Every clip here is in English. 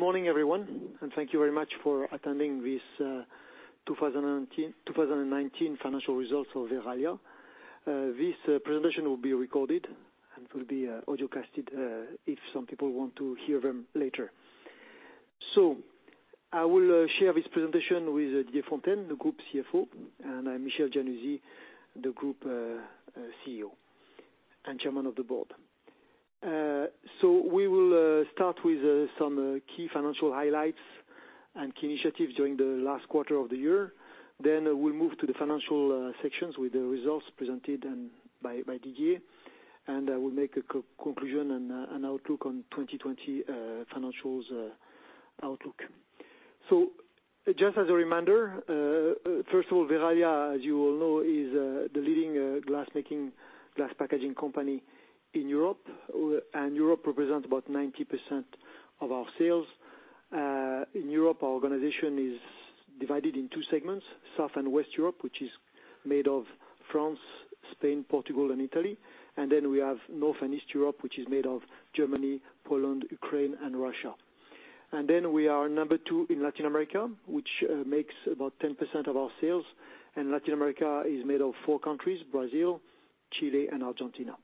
Good morning, everyone. Thank you very much for attending this 2019 financial results of Verallia. This presentation will be recorded and will be audiocasted, if some people want to hear them later. I will share this presentation with Didier Fontaine, the Group CFO, and I'm Michel Giannuzzi, the Group CEO and Chairman of the Board. We will start with some key financial highlights and key initiatives during the last quarter of the year. We'll move to the financial sections with the results presented by Didier, and I will make a conclusion and outlook on 2020 financials outlook. Just as a reminder, first of all, Verallia, as you all know, is the leading glass packaging company in Europe, and Europe represents about 90% of our sales. In Europe, our organization is divided in two segments, South and West Europe, which is made of France, Spain, Portugal, and Italy. We have North and East Europe, which is made of Germany, Poland, Ukraine, and Russia. We are number two in Latin America, which makes about 10% of our sales. Latin America is made of four countries, Brazil, Chile, and Argentina.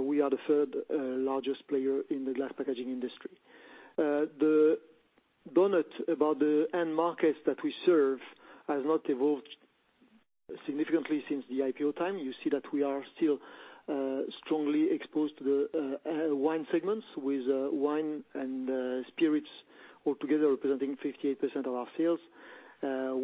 We are the third largest player in the glass packaging industry. The donut about the end markets that we serve has not evolved significantly since the IPO time. You see that we are still strongly exposed to the wine segments with wine and spirits all together representing 58% of our sales.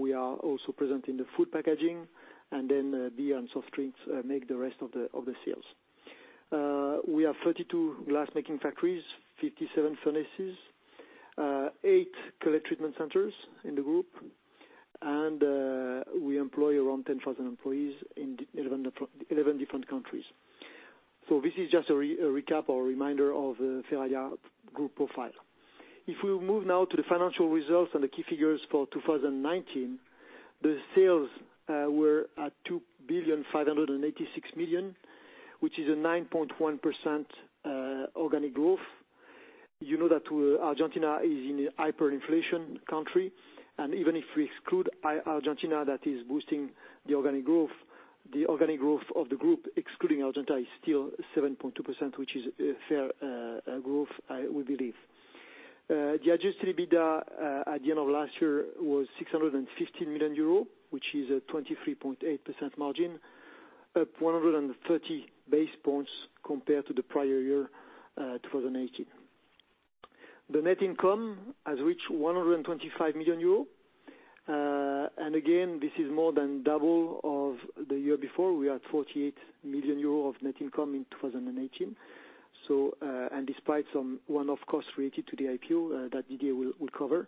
We are also present in the food packaging and beer and soft drinks make the rest of the sales. We have 32 glass-making factories, 57 furnaces, eight colored treatment centers in the group, and we employ around 10,000 employees in 11 different countries. This is just a recap or reminder of Verallia group profile. If we move now to the financial results and the key figures for 2019, the sales were at 2,586,000,000, which is a 9.1% organic growth. You know that Argentina is in a hyperinflation country, and even if we exclude Argentina, that is boosting the organic growth, the organic growth of the group, excluding Argentina, is still 7.2%, which is a fair growth, we believe. The adjusted EBITDA at the end of last year was 650 million euro, which is a 23.8% margin, up 130 basis points compared to the prior year, 2018. The net income has reached 125 million euros. Again, this is more than double of the year before. We had 48 million euros of net income in 2018. Despite some one-off costs related to the IPO that Didier will cover,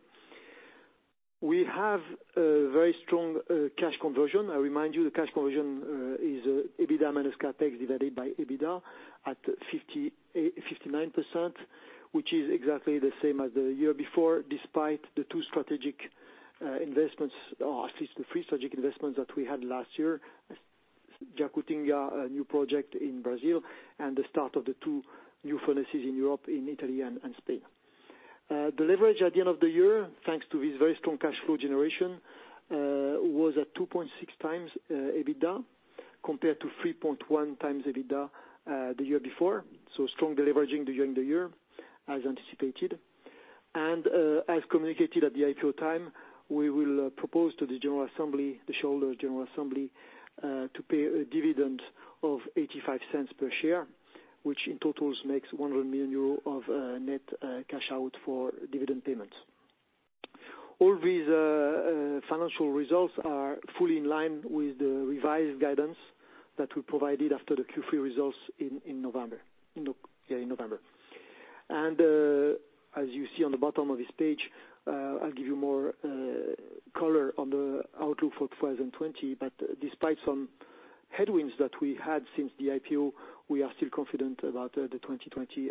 we have a very strong cash conversion. I remind you the cash conversion is EBITDA minus CapEx divided by EBITDA at 59%, which is exactly the same as the year before, despite the two strategic investments, or three strategic investments that we had last year, Jacutinga, a new project in Brazil, and the start of the two new furnaces in Europe, in Italy and Spain. The leverage at the end of the year, thanks to this very strong cash flow generation, was at 2.6x EBITDA compared to 3.1x EBITDA the year before. Strong deleveraging during the year as anticipated. As communicated at the IPO time, we will propose to the shareholders' general assembly to pay a dividend of 0.85 per share, which in totals makes 100 million euro of net cash out for dividend payments. All these financial results are fully in line with the revised guidance that we provided after the Q3 results in November. As you see on the bottom of this page, I'll give you more color on the outlook for 2020, despite some headwinds that we had since the IPO, we are still confident about the 2020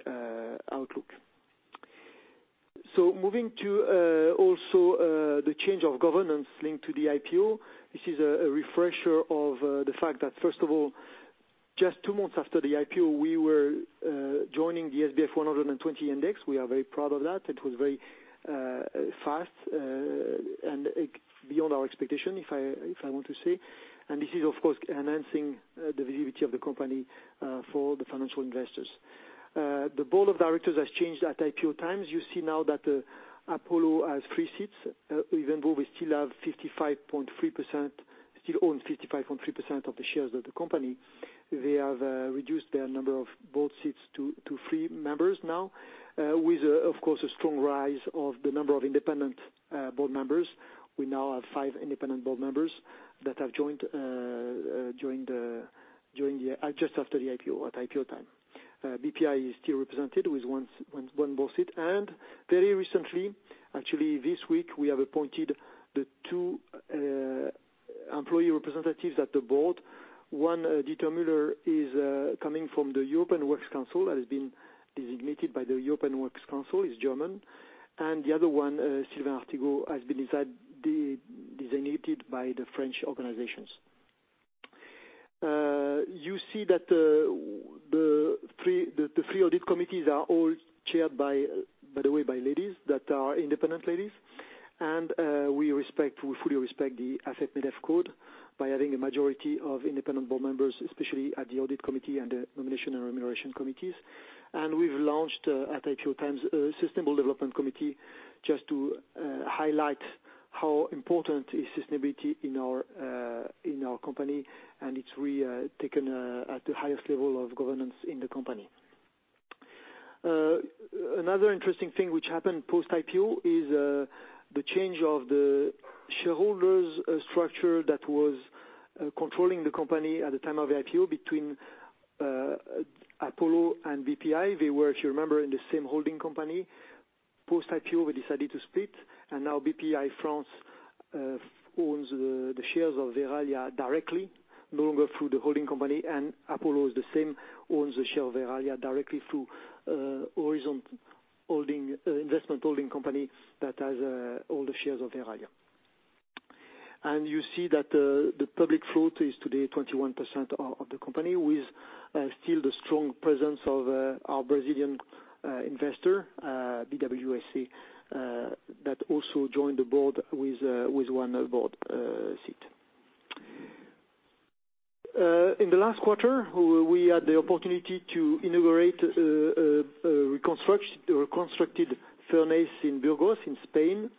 outlook. Moving to also the change of governance linked to the IPO. This is a refresher of the fact that, first of all, just two months after the IPO, we were joining the SBF 120 index. We are very proud of that. It was very fast and beyond our expectation, if I want to say, and this is, of course, enhancing the visibility of the company for the financial investors. The board of directors has changed at IPO times. You see now that Apollo has three seats. Even though we still own 55.3% of the shares of the company, they have reduced their number of board seats to three members now with, of course, a strong rise of the number of independent board members. We now have five independent board members that have joined just after the IPO, at IPO time. BPI is still represented with one board seat. Very recently, actually this week, we have appointed the two employee representatives at the board. One, Dieter Müller, is coming from the European Works Council, has been designated by the European Works Council, he's German. The other one, Sylvain Artigau, has been designated by the French organizations. You see that the three audit committees are all chaired, by the way, by ladies that are independent ladies. We fully respect the Afep-MEDEF Code by having a majority of independent board members, especially at the audit committee and the nomination and remuneration committees. We've launched, at IPO times, a sustainable development committee just to highlight how important is sustainability in our company, and it's really taken at the highest level of governance in the company. Another interesting thing which happened post-IPO is the change of the shareholders structure that was controlling the company at the time of IPO between Apollo and BPI. They were, if you remember, in the same holding company. Post IPO, we decided to split and now Bpifrance owns the shares of Verallia directly, no longer through the holding company. Apollo is the same, owns the share of Verallia directly through Horizon Investment Holdings company that has all the shares of Verallia. You see that the public float is today 21% of the company with still the strong presence of our Brazilian investor, BWSA, that also joined the board with one board seat. In the last quarter, we had the opportunity to inaugurate a reconstructed furnace in Burgos, in Spain.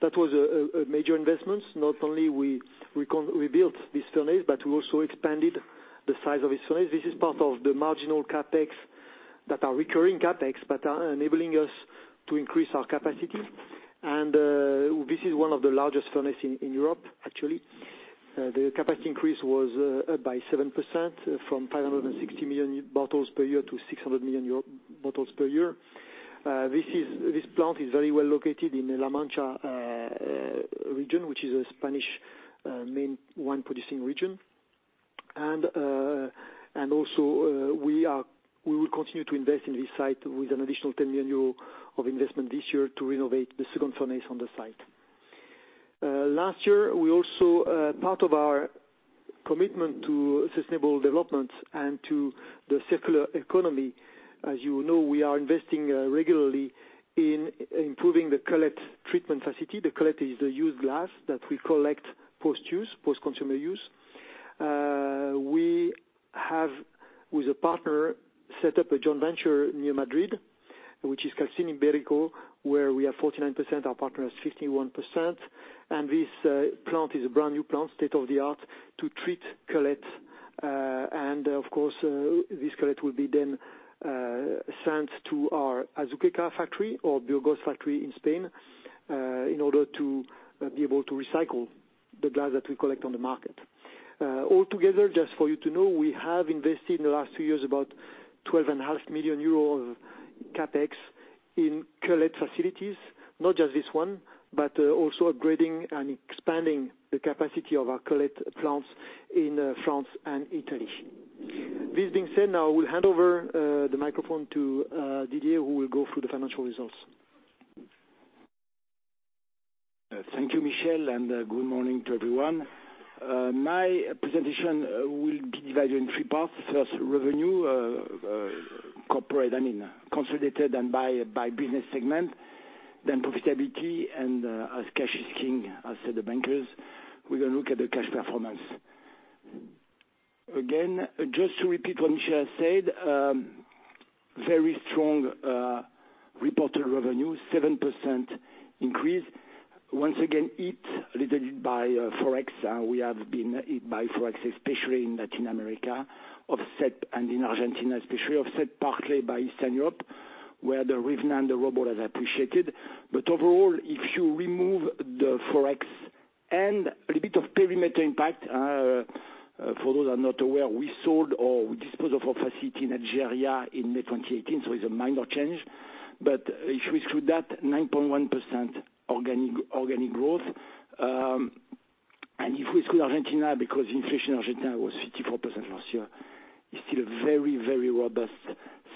That was a major investment. Not only we rebuilt this furnace, but we also expanded the size of this furnace. This is part of the marginal CapEx that are recurring CapEx, but are enabling us to increase our capacity. This is one of the largest furnaces in Europe, actually. The capacity increase was up by 7%, from 560 million bottles per year to 600 million bottles per year. This plant is very well located in La Mancha region, which is a Spanish main wine-producing region. Also we will continue to invest in this site with an additional 10 million euros of investment this year to renovate the second furnace on the site. Last year, part of our commitment to sustainable development and to the circular economy, as you know, we are investing regularly in improving the cullet treatment facility. The cullet is the used glass that we collect post consumer use. We have, with a partner, set up a joint venture near Madrid, which is Calcín Ibérico, where we have 49%, our partner has 51%. This plant is a brand new plant, state of the art, to treat cullet. Of course, this cullet will be then sent to our Azuqueca factory or Burgos factory in Spain in order to be able to recycle the glass that we collect on the market. Altogether, just for you know, we have invested in the last two years about 12.5 million euros of CapEx in cullet facilities. Not just this one, but also upgrading and expanding the capacity of our cullet plants in France and Italy. This being said, now I will hand over the microphone to Didier, who will go through the financial results. Thank you, Michel. Good morning to everyone. My presentation will be divided in three parts. First, revenue, consolidated and by business segment, then profitability, and as cash is king, as said the bankers, we're going to look at the cash performance. Again, just to repeat what Michel said, very strong reported revenue, 7% increase. Once again, hit a little bit by forex. We have been hit by forex, especially in Latin America, and in Argentina especially, offset partly by Eastern Europe, where the hryvnia and the ruble has appreciated. Overall, if you remove the forex and a little bit of perimeter impact, for those who are not aware, we sold or we disposed of our facility in Algeria in May 2018, so it's a minor change. If we exclude that, 9.1% organic growth. If we exclude Argentina, because inflation in Argentina was 54% last year, it is still a very robust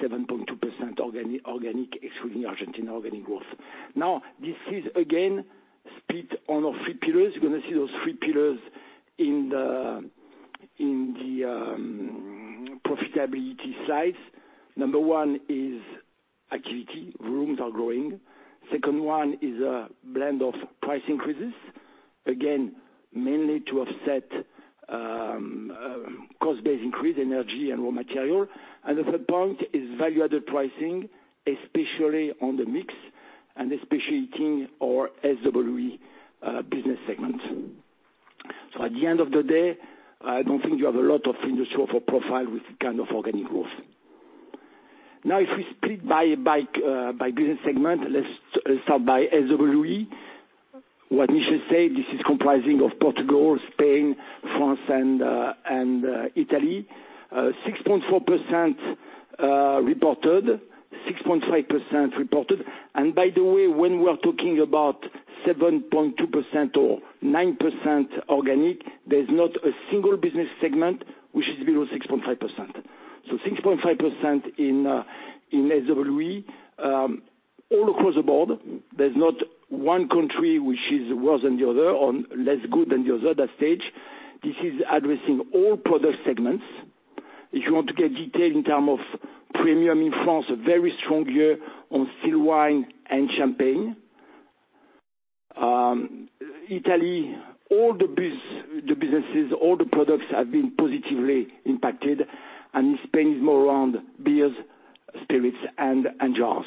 7.2% organic, excluding Argentina, organic growth. This is again split on our three pillars. You are going to see those three pillars in the profitability slides. Number one is activity. Volumes are growing. Second one is a blend of price increases, again, mainly to offset cost base increase, energy and raw material. The third point is value-added pricing, especially on the mix and especially in our SWE business segment. So at the end of the day, I do not think you have a lot of industry for profile with kind of organic growth. If we split by business segment, let us start by SWE. What Michel said, this is comprising of Portugal, Spain, France, and Italy, 6.4 % reported, 6.5% reported. By the way, when we are talking about 7.2% or 9% organic, there's not a single business segment which is below 6.5%. So 6.5% in SWE. All across the board, there's not one country which is worse than the other or less good than the other at this stage. This is addressing all product segments. If you want to get detail in terms of premium in France, a very strong year on still wine and champagne. Italy, all the businesses, all the products have been positively impacted, and in Spain is more around beers, spirits, and jars.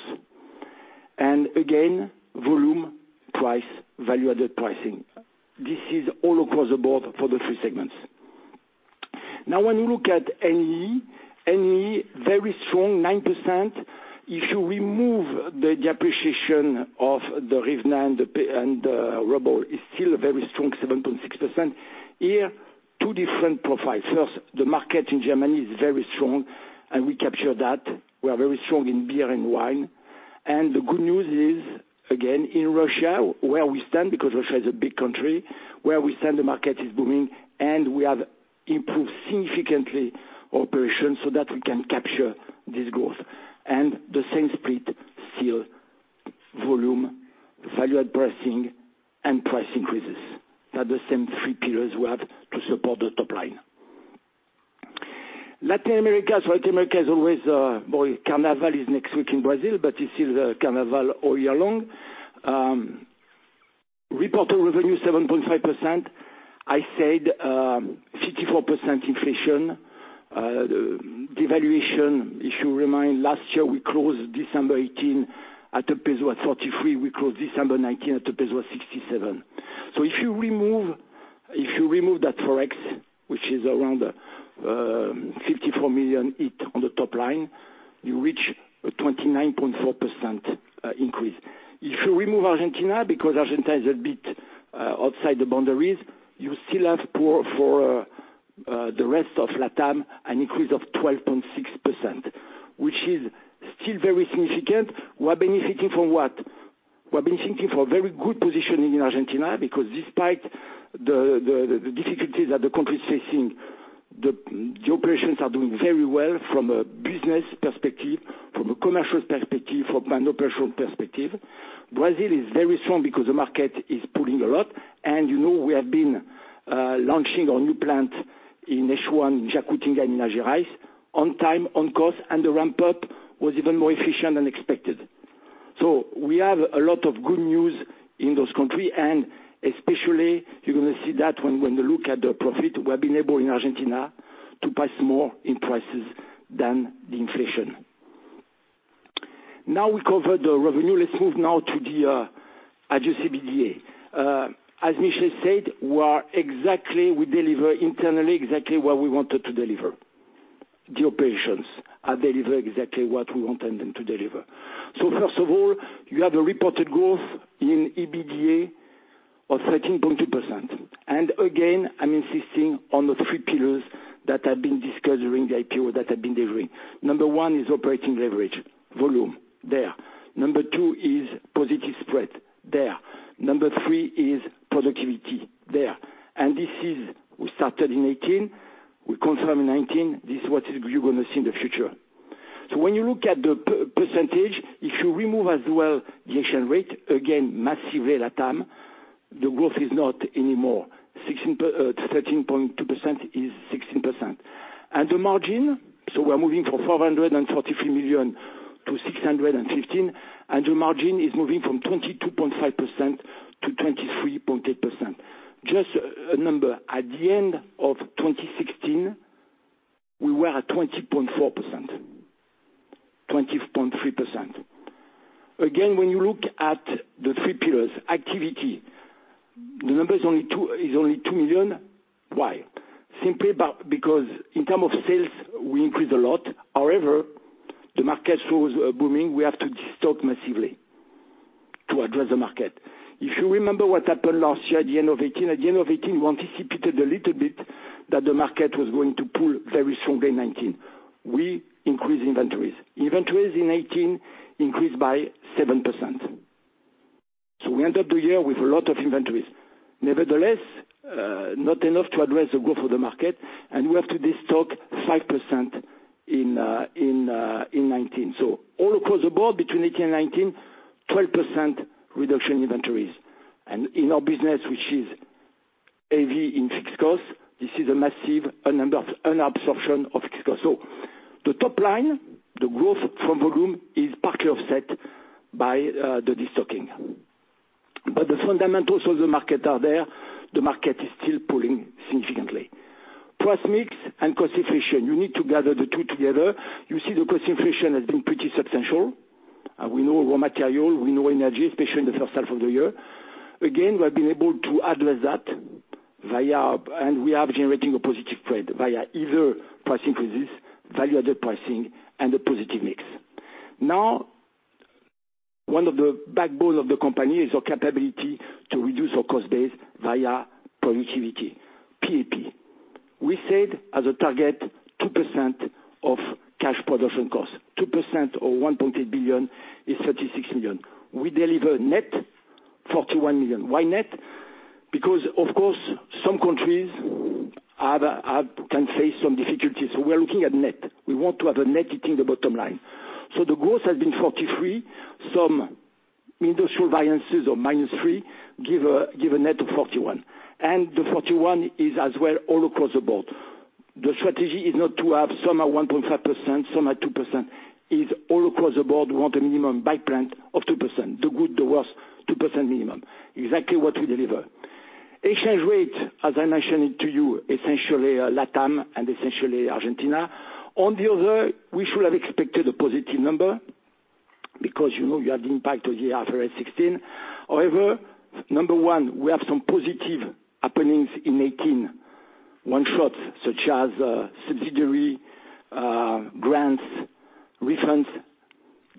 Again, volume, price, value-added pricing. This is all across the board for the three segments. Now when you look at NEE, NEE very strong, 9%. If you remove the depreciation of the hryvnia and the ruble is still a very strong 7.6%. Here, two different profiles. The market in Germany is very strong and we capture that. We are very strong in beer and wine. The good news is, again, in Russia, where we stand, because Russia is a big country, where we stand the market is booming and we have improved significantly operations so that we can capture this growth. The same split still, volume, value-added pricing, and price increases. They are the same three pillars we have to support the top line. Latin America is always, well, carnival is next week in Brazil, but it's still carnival all year long. Reported revenue 7.5%. I said, 54% inflation. The devaluation, if you remind last year, we closed December 2018 with the peso at 43, we closed December 2019 with the peso at 67. If you remove that forex, which is around 54 million hit on the top line, you reach a 29.4% increase. If you remove Argentina, because Argentina is a bit outside the boundaries, you still have for the rest of LATAM an increase of 12.6%, which is still very significant. We're benefiting from what? We're benefiting from very good positioning in Argentina because despite the difficulties that the country is facing, the operations are doing very well from a business perspective, from a commercial perspective, from an operational perspective. Brazil is very strong because the market is pulling a lot and you know we have been launching our new plant in H1, Jacutinga and Minas Gerais on time, on course, and the ramp-up was even more efficient than expected. We have a lot of good news in those countries and especially you're going to see that when you look at the profit. We have been able in Argentina to pass more in prices than the inflation. We covered the revenue. Let's move now to the adjusted EBITDA. As Michel said, we deliver internally exactly what we wanted to deliver. The operations are delivering exactly what we wanted them to deliver. First of all, you have a reported growth in EBITDA of 13.2%. Again, I'm insisting on the three pillars that have been discussed during the IPO that have been delivering. Number one is operating leverage, volume, there. Number two is positive spread, there. Number three is productivity, there. This is, we started in 2018, we confirm in 2019, this is what you're going to see in the future. When you look at the percentage, if you remove as well the exchange rate, again, massively LATAM, the growth is not anymore 13.2%, it is 16%. The margin, we're moving from 543 million to 615 million, the margin is moving from 22.5% to 23.8%. Just a number, at the end of 2016, we were at 20.4%, 20.3%. Again, when you look at the three pillars, activity, the number is only 2 million. Why? Simply because in terms of sales, we increased a lot. However, the market was booming. We have to destock massively to address the market. If you remember what happened last year at the end of 2018, at the end of 2018, we anticipated a little bit that the market was going to pull very strong in 2019. We increased inventories. Inventories in 2018 increased by 7%. We ended the year with a lot of inventories. Nevertheless, not enough to address the growth of the market, and we have to destock 5% in 2019. All across the board between 2018 and 2019, 12% reduction inventories. In our business which is heavy in fixed cost, this is a massive number, an absorption of fixed cost. The top line, the growth from volume is partly offset by the destocking. The fundamentals of the market are there. The market is still pulling significantly. Price mix and cost inflation. You need to gather the two together. You see the cost inflation has been pretty substantial. We know raw material, we know energy, especially in the first half of the year. Again, we have been able to address that and we are generating a positive spread via either price increases, value-added pricing, and a positive mix. One of the backbone of the company is our capability to reduce our cost base via productivity, PAP. We said as a target, 2% of cash production cost, 2% of 1.8 billion is 36 million. We deliver net 41 million. Why net? Of course, some countries can face some difficulties. We're looking at net. We want to have a net hitting the bottom line. The growth has been 43 million. Some industrial variances of -3 million give a net of 41 million. The 41 million is as well all across the board. The strategy is not to have some at 1.5%, some at 2%. It's all across the board, want a minimum by plant of 2%. The good, the worse, 2% minimum. Exactly what we deliver. Exchange rate, as I mentioned it to you, essentially LATAM and essentially Argentina. On the other, we should have expected a positive number because you have the impact of the IFRS 16. However, number one, we have some positive happenings in 2018, one-shot, such as subsidiary grants refunds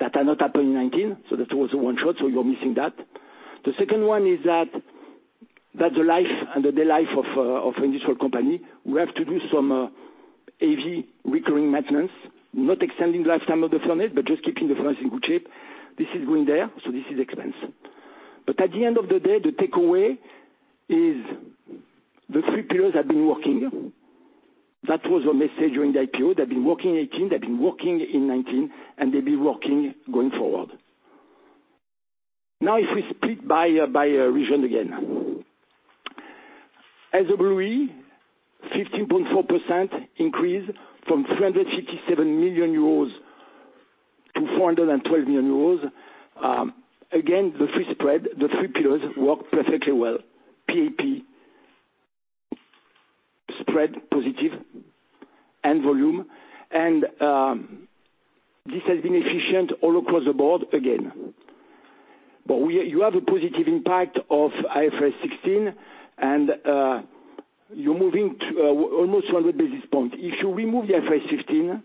that had not happened in 2019, so that was a one-shot, so you're missing that. The second one is that the life and the daily life of an industrial company, we have to do some heavy recurring maintenance, not extending the lifetime of the furnace, but just keeping the furnace in good shape. This is going there, so this is expense. At the end of the day, the takeaway is the three pillars have been working. That was our message during the IPO. They've been working in 2018, they've been working in 2019, and they'll be working going forward. If we split by region again. SWE, 15.4% increase from 357 million euros to 412 million euros. Again, the three spread, the three pillars work perfectly well. PAP spread positive and volume. This has been efficient all across the board again. You have a positive impact of IFRS 16 and you're moving to almost 100 basis points. If you remove the IFRS 16,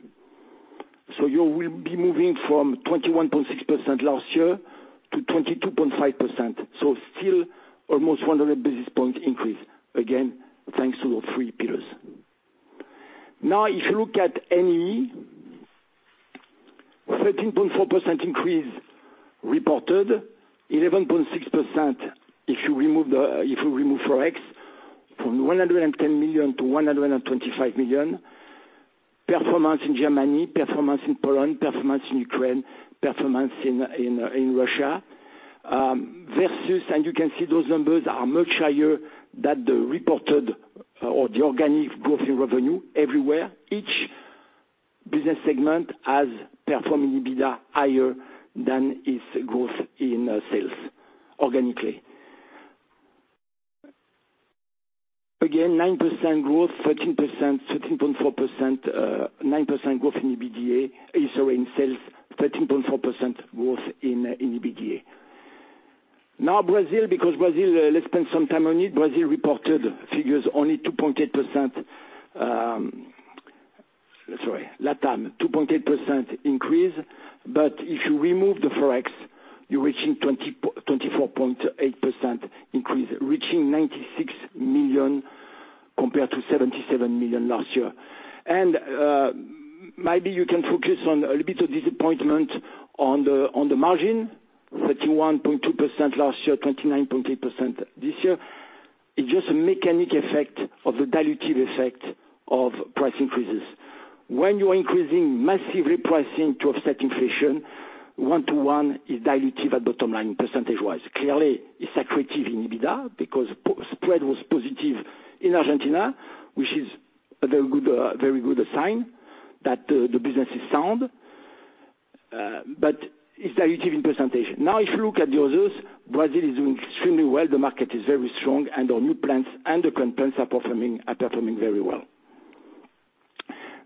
you will be moving from 21.6% last year to 22.5%. Still almost 100 basis points increase, again, thanks to the three pillars. Now, if you look at NEE, 13.4% increase reported, 11.6% if you remove forex, from 110 million to 125 million. Performance in Germany, performance in Poland, performance in Ukraine, performance in Russia, this is, you can see those numbers are much higher than the reported or the organic growth in revenue everywhere. Each business segment has performed in EBITDA higher than its growth in sales organically. Again, 9% growth in EBITDA, sorry, in sales, 13.4% growth in EBITDA. Brazil, let's spend some time on it. Brazil reported figures only 2.8%, sorry, LATAM, 2.8% increase. If you remove the forex, you're reaching 24.8% increase, reaching 96 million compared to 77 million last year. Maybe you can focus on a little bit of disappointment on the margin, 31.2% last year, 29.8% this year. It's just a mechanic effect of the dilutive effect of price increases. When you're increasing massively pricing to offset inflation, one-to-one is dilutive at bottom line percentage-wise. Clearly, it's accretive in EBITDA because spread was positive in Argentina, which is a very good sign that the business is sound, but it's dilutive in presentation. If you look at the others, Brazil is doing extremely well. The market is very strong, and our new plants and the current plants are performing very well.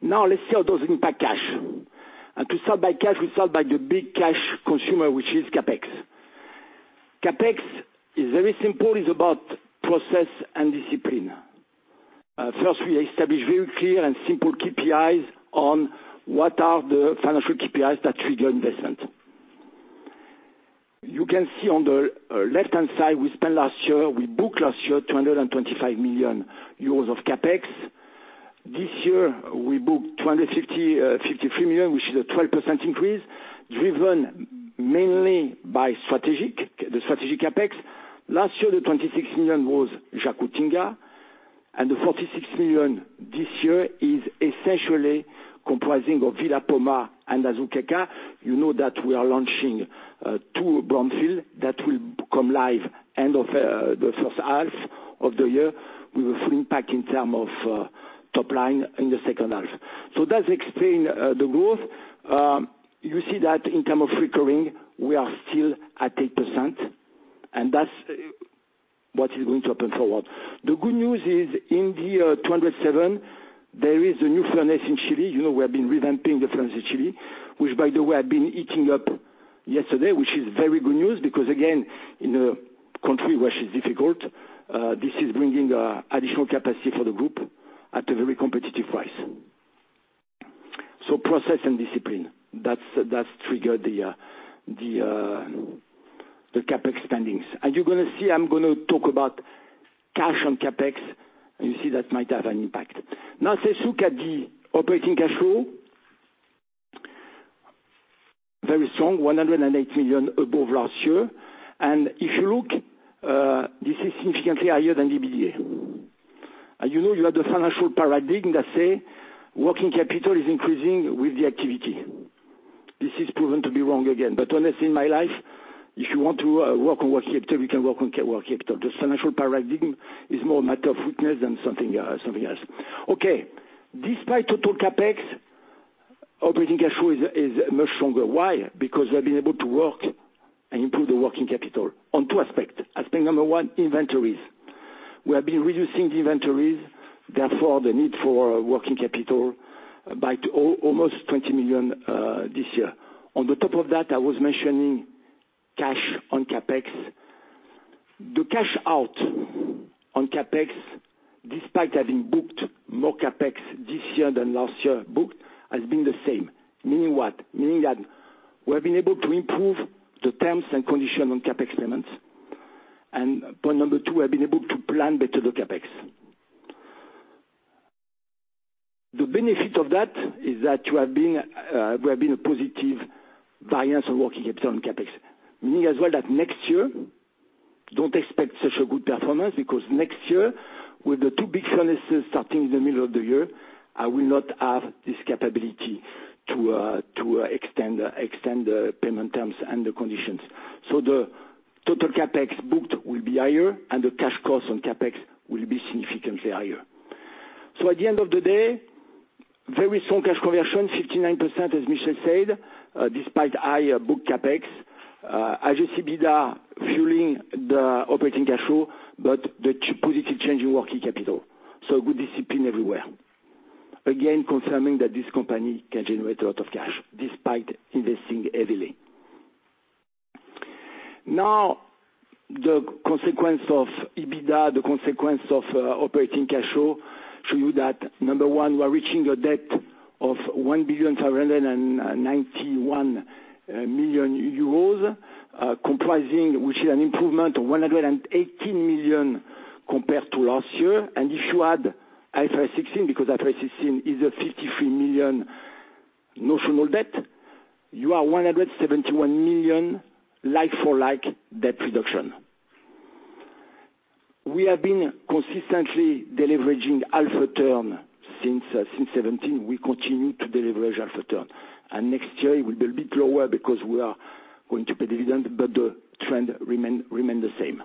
Now let's see how those impact cash. To start by cash, we start by the big cash consumer, which is CapEx. CapEx is very simple, it's about process and discipline. First, we establish very clear and simple KPIs on what are the financial KPIs that trigger investment. You can see on the left-hand side, we spent last year, we booked last year 225 million euros of CapEx. This year we booked 253 million, which is a 12% increase, driven mainly by the strategic CapEx. Last year, the 26 million was Jacutinga, and the 46 million this year is essentially comprising of Villa Poma and Azuqueca. You know that we are launching two brownfield that will come live end of the first half of the year with a full impact in term of top line in the second half. That explain the growth. You see that in term of recurring, we are still at 8%, and that's what is going to happen forward. The good news is in the 207 million, there is a new furnace in Chile. You know we have been revamping the furnace in Chile, which by the way, have been heating up yesterday, which is very good news because again, in a country where it's difficult, this is bringing additional capacity for the group at a very competitive price. Process and discipline, that's triggered the CapEx spendings. You're going to see, I'm going to talk about cash on CapEx, and you see that might have an impact. Now, let's look at the operating cash flow. Very strong, 108 million above last year. If you look, this is significantly higher than EBITDA. You know you have the financial paradigm that say working capital is increasing with the activity. This is proven to be wrong again. Honestly, in my life, if you want to work on working capital, you can work on working capital. The financial paradigm is more a matter of weakness than something else. Okay. Despite total CapEx, operating cash flow is much stronger. Why? Because we have been able to work and improve the working capital on two aspects. Aspect number one, inventories. We have been reducing the inventories, therefore the need for working capital by almost 20 million this year. On the top of that, I was mentioning cash on CapEx. The cash out on CapEx, despite having booked more CapEx this year than last year, booked has been the same. Meaning what? Meaning that we have been able to improve the terms and conditions on CapEx payments. Point number two, we have been able to plan better the CapEx. The benefit of that is that we have been a positive variance on working capital on CapEx. Meaning as well that next year, don't expect such a good performance because next year, with the two big furnaces starting in the middle of the year, I will not have this capability to extend the payment terms and the conditions. The total CapEx booked will be higher, and the cash cost on CapEx will be significantly higher. At the end of the day, very strong cash conversion, 59%, as Michel said, despite higher book CapEx. Adjusting EBITDA, fueling the operating cash flow, the positive change in working capital. Good discipline everywhere. Again, confirming that this company can generate a lot of cash despite investing heavily. The consequence of EBITDA, the consequence of operating cash flow show you that, number one, we're reaching a debt of 1,591,000,000 euros, comprising, which is an improvement of 118 million compared to last year. If you add IFRS 16, because IFRS 16 is a 53 million notional debt, you are 171 million like-for-like debt reduction. We have been consistently deleveraging half a turn since 2017. We continue to deleverage half a turn. Next year, it will be a bit lower because we are going to pay dividend, but the trend remain the same.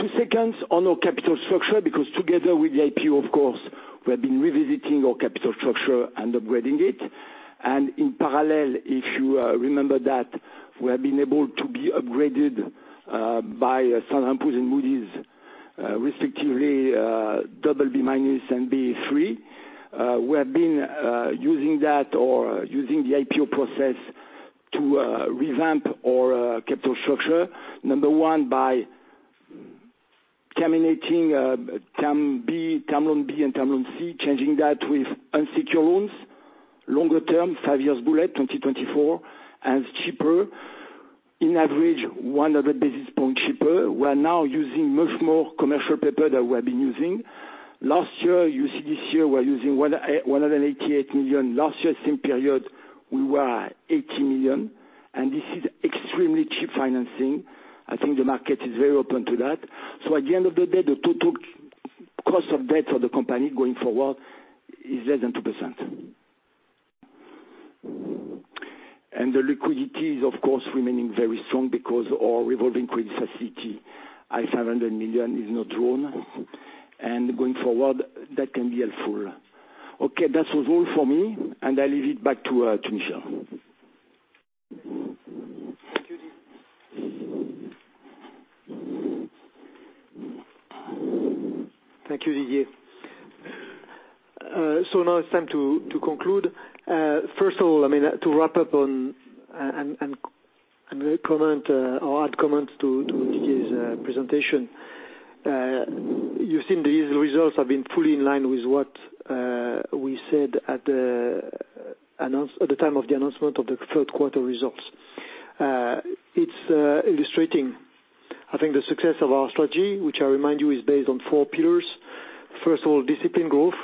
Two seconds on our capital structure, because together with the IPO, of course, we have been revisiting our capital structure and upgrading it. In parallel, if you remember that we have been able to be upgraded by Standard & Poor's and Moody's, respectively, BB- and Ba3. We have been using that or using the IPO process to revamp our capital structure. Number one, by terminating Term Loan B and Term Loan C, changing that with unsecured loans, longer term, five years bullet, 2024, and cheaper, in average, 100 basis points cheaper. We are now using much more commercial paper than we have been using. Last year, you see this year we're using 188 million. Last year, same period, we were 80 million. This is extremely cheap financing. I think the market is very open to that. At the end of the day, the total cost of debt for the company going forward is less than 2%. The liquidity is, of course, remaining very strong because our revolving credit facility at 500 million is not drawn. Going forward, that can be helpful. Okay, that was all for me, and I leave it back to Michel. Thank you, Didier. Now it's time to conclude. First of all, to wrap up on and comment or add comments to Didier's presentation. You've seen these results have been fully in line with what we said at the time of the announcement of the third quarter results. It's illustrating, I think the success of our strategy, which I remind you is based on four pillars. First of all, disciplined growth,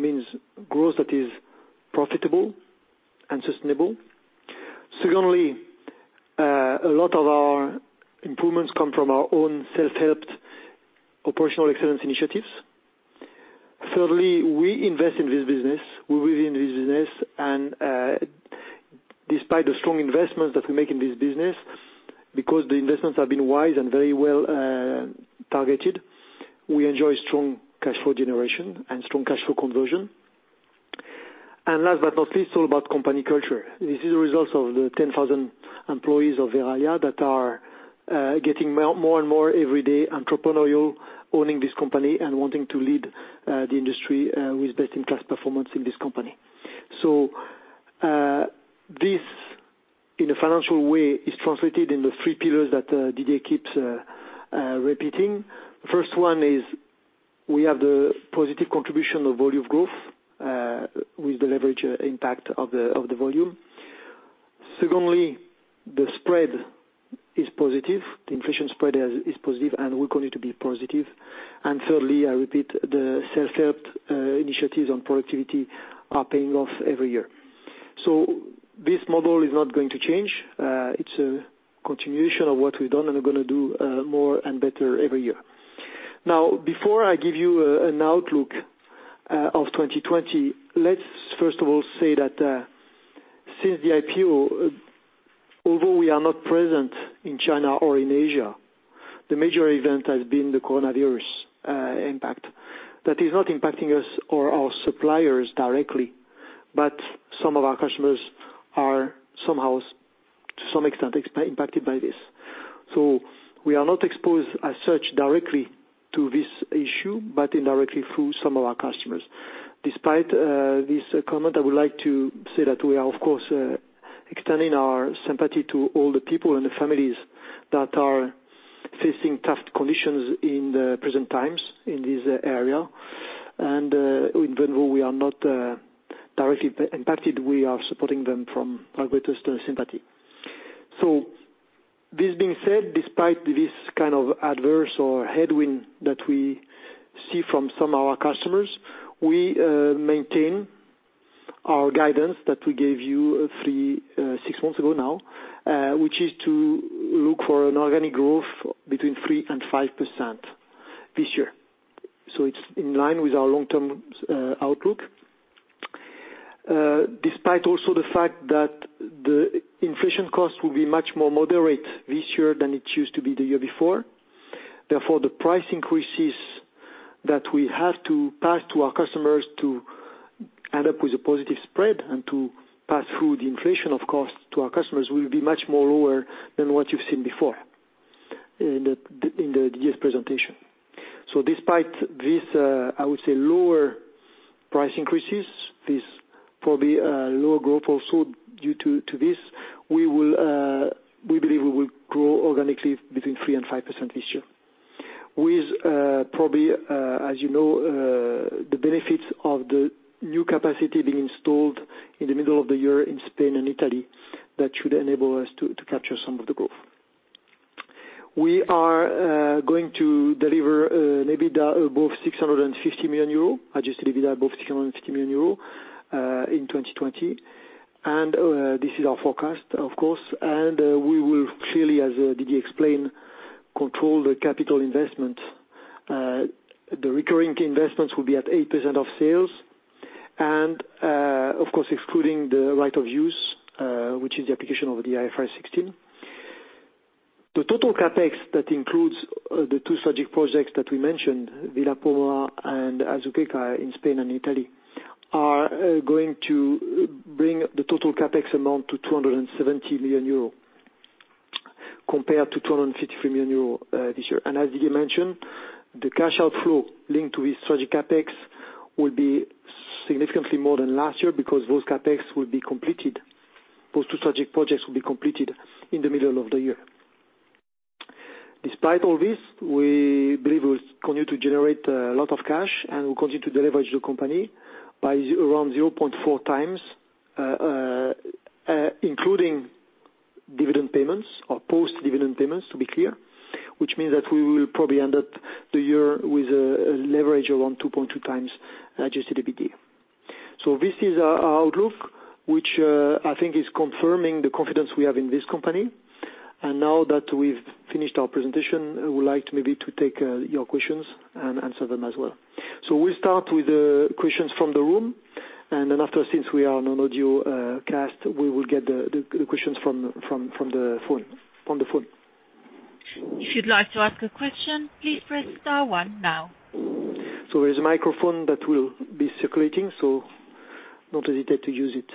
means growth that is profitable and sustainable. Secondly, a lot of our improvements come from our own self-helped operational excellence initiatives. Thirdly, we invest in this business. We believe in this business, and despite the strong investments that we make in this business, because the investments have been wise and very well targeted, we enjoy strong cash flow generation and strong cash flow conversion. Last but not least, it's all about company culture. This is a result of the 10,000 employees of Verallia that are getting more and more everyday entrepreneurial, owning this company, and wanting to lead the industry with best-in-class performance in this company. This, in a financial way, is translated in the three pillars that Didier keeps repeating. First one is we have the positive contribution of volume growth with the leverage impact of the volume. Secondly, the spread is positive, the inflation spread is positive, and we're going to be positive. Thirdly, I repeat, the self-help initiatives on productivity are paying off every year. This model is not going to change. It's a continuation of what we've done, and we're going to do more and better every year. Before I give you an outlook of 2020, let's first of all say that, since the IPO, although we are not present in China or in Asia, the major event has been the coronavirus impact. That is not impacting us or our suppliers directly, but some of our customers are somehow, to some extent, impacted by this. We are not exposed as such directly to this issue, but indirectly through some of our customers. Despite this comment, I would like to say that we are, of course, extending our sympathy to all the people and the families that are facing tough conditions in the present times in this area. Even though we are not directly impacted, we are supporting them from our greatest sympathy. This being said, despite this kind of adverse or headwind that we see from some of our customers, we maintain our guidance that we gave you six months ago now, which is to look for an organic growth between 3% and 5% this year. It's in line with our long-term outlook. Despite also the fact that the inflation cost will be much more moderate this year than it used to be the year before, therefore, the price increases that we have to pass to our customers to end up with a positive spread and to pass through the inflation, of course, to our customers, will be much lower than what you've seen before in the year's presentation. Despite this, I would say lower price increases, this probably lower growth also due to this, we believe we will grow organically between 3% and 5% this year. With probably, as you know, the benefits of the new capacity being installed in the middle of the year in Spain and Italy, that should enable us to capture some of the growth. We are going to deliver an EBITDA above 650 million euro, adjusted EBITDA above 650 million euro, in 2020. This is our forecast, of course, and we will clearly, as Didier explained, control the capital investment. The recurring investments will be at 8% of sales and, of course, excluding the right of use, which is the application of the IFRS 16. The total CapEx that includes the two strategic projects that we mentioned, Villa Poma and Azuqueca in Spain and Italy, are going to bring the total CapEx amount to 270 million euro compared to 253 million euro this year. As Didier mentioned, the cash outflow linked to this strategic CapEx will be significantly more than last year because those CapEx will be completed. Those two strategic projects will be completed in the middle of the year. Despite all this, we believe we continue to generate a lot of cash, and we'll continue to leverage the company by around 0.4x, including dividend payments or post-dividend payments, to be clear, which means that we will probably end up the year with a leverage around 2.2x adjusted EBITDA. This is our outlook, which I think is confirming the confidence we have in this company. Now that we've finished our presentation, we would like to maybe to take your questions and answer them as well. We'll start with the questions from the room, and then after, since we are on an audio cast, we will get the questions from the phone. If you'd like to ask a question, please press star one now. There's a microphone that will be circulating, so don't hesitate to use it.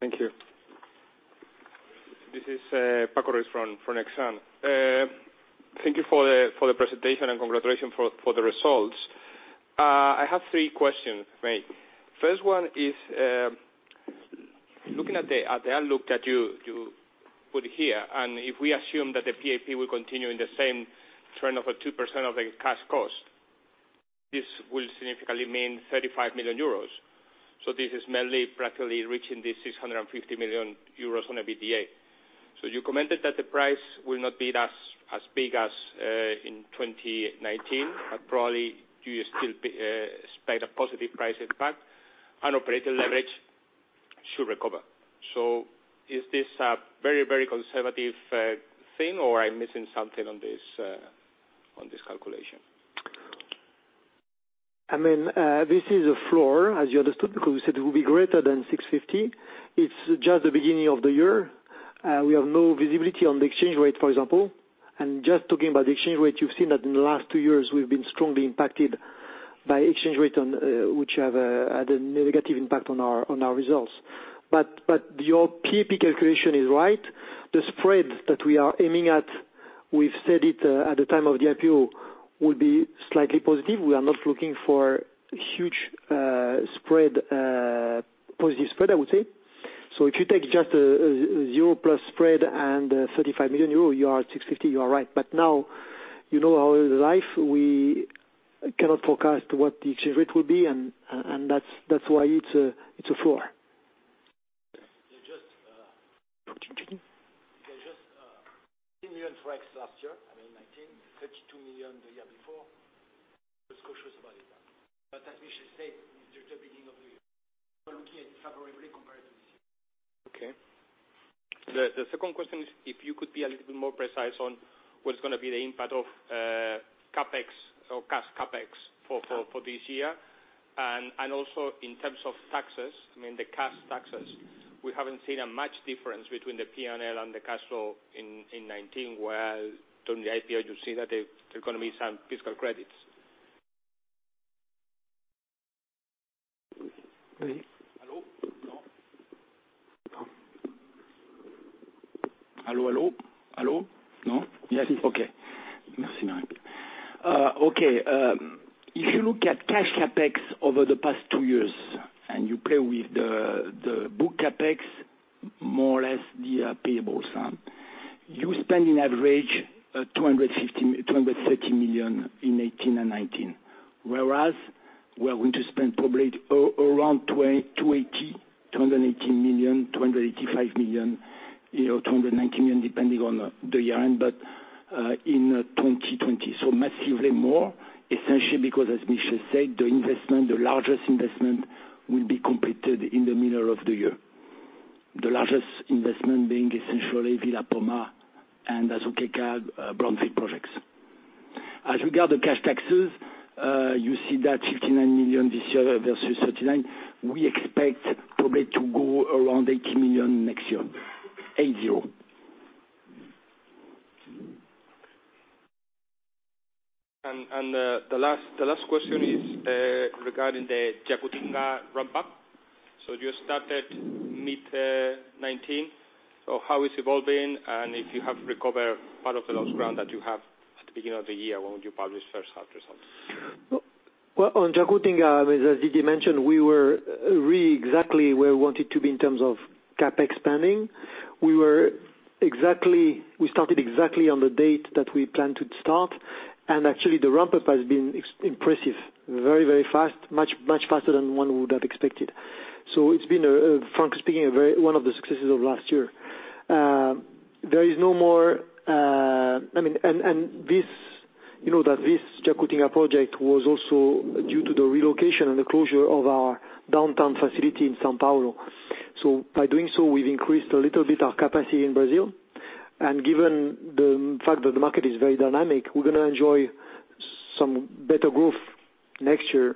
Thank you. This is Paco Ruiz from Exane. Thank you for the presentation and congratulations for the results. I have three questions to make. First one is, looking at the outlook that you put here, if we assume that the PAP will continue in the same trend of a 2% of the cash cost, this will significantly mean 35 million euros. This is merely practically reaching this 650 million euros on an EBITDA. You commented that the price will not be as big as in 2019, probably you still expect a positive price impact and operating leverage should recover. Is this a very conservative thing, or I'm missing something on this calculation? This is a floor, as you understood, because you said it will be greater than 650 million. It's just the beginning of the year. We have no visibility on the exchange rate, for example. Just talking about the exchange rate, you've seen that in the last two years, we've been strongly impacted by exchange rate, which have had a negative impact on our results. Your PAP calculation is right. The spread that we are aiming at, we've said it at the time of the IPO, will be slightly positive. We are not looking for huge spread, positive spread, I would say. If you take just a euro plus spread and 35 million euro, you are at 650, you are right. Now, you know our life, we cannot forecast what the exchange rate will be, and that's why it's a floor. There just EUR 15 million forecast last year, I mean 2019, 32 million the year before. Just cautious about it. As Michel said, it's the beginning of the year. We're looking at it favorably compared to this year. The second question is, if you could be a little bit more precise on what's going to be the impact of CapEx or cash CapEx for this year, and also in terms of taxes, I mean the cash taxes. We haven't seen a much difference between the P&L and the cash flow in 2019, where during the IPO you see that there are going to be some fiscal credits. We. Hello? No. Hello? Hello, hello. Hello? No? Yes. Okay. Merci. Okay. If you look at cash CapEx over the past two years, and you play with the book CapEx, more or less the payables. You spend on average 230 million in 2018 and 2019. We are going to spend probably around 280 million, 285 million, 290 million, depending on the year, but in 2020. Massively more, essentially because, as Michel said, the largest investment will be completed in the middle of the year. The largest investment being essentially Villa Poma and Azuqueca brownfield projects. As regard to cash taxes, you see that 59 million this year versus 39 million, we expect probably to go around 80 million next year. The last question is regarding the Jacutinga ramp-up. You started mid-2019. How is it evolving and if you have recovered part of the lost ground that you have at the beginning of the year when you publish first half results? Well, on Jacutinga, as Didier mentioned, we were really exactly where we wanted to be in terms of CapEx spending. We started exactly on the date that we planned to start. Actually the ramp-up has been impressive, very very fast. Much faster than one would have expected. It's been, frankly speaking, one of the successes of last year. You know that this Jacutinga project was also due to the relocation and the closure of our downtown facility in São Paulo. By doing so, we've increased a little bit our capacity in Brazil. Given the fact that the market is very dynamic, we're going to enjoy some better growth this year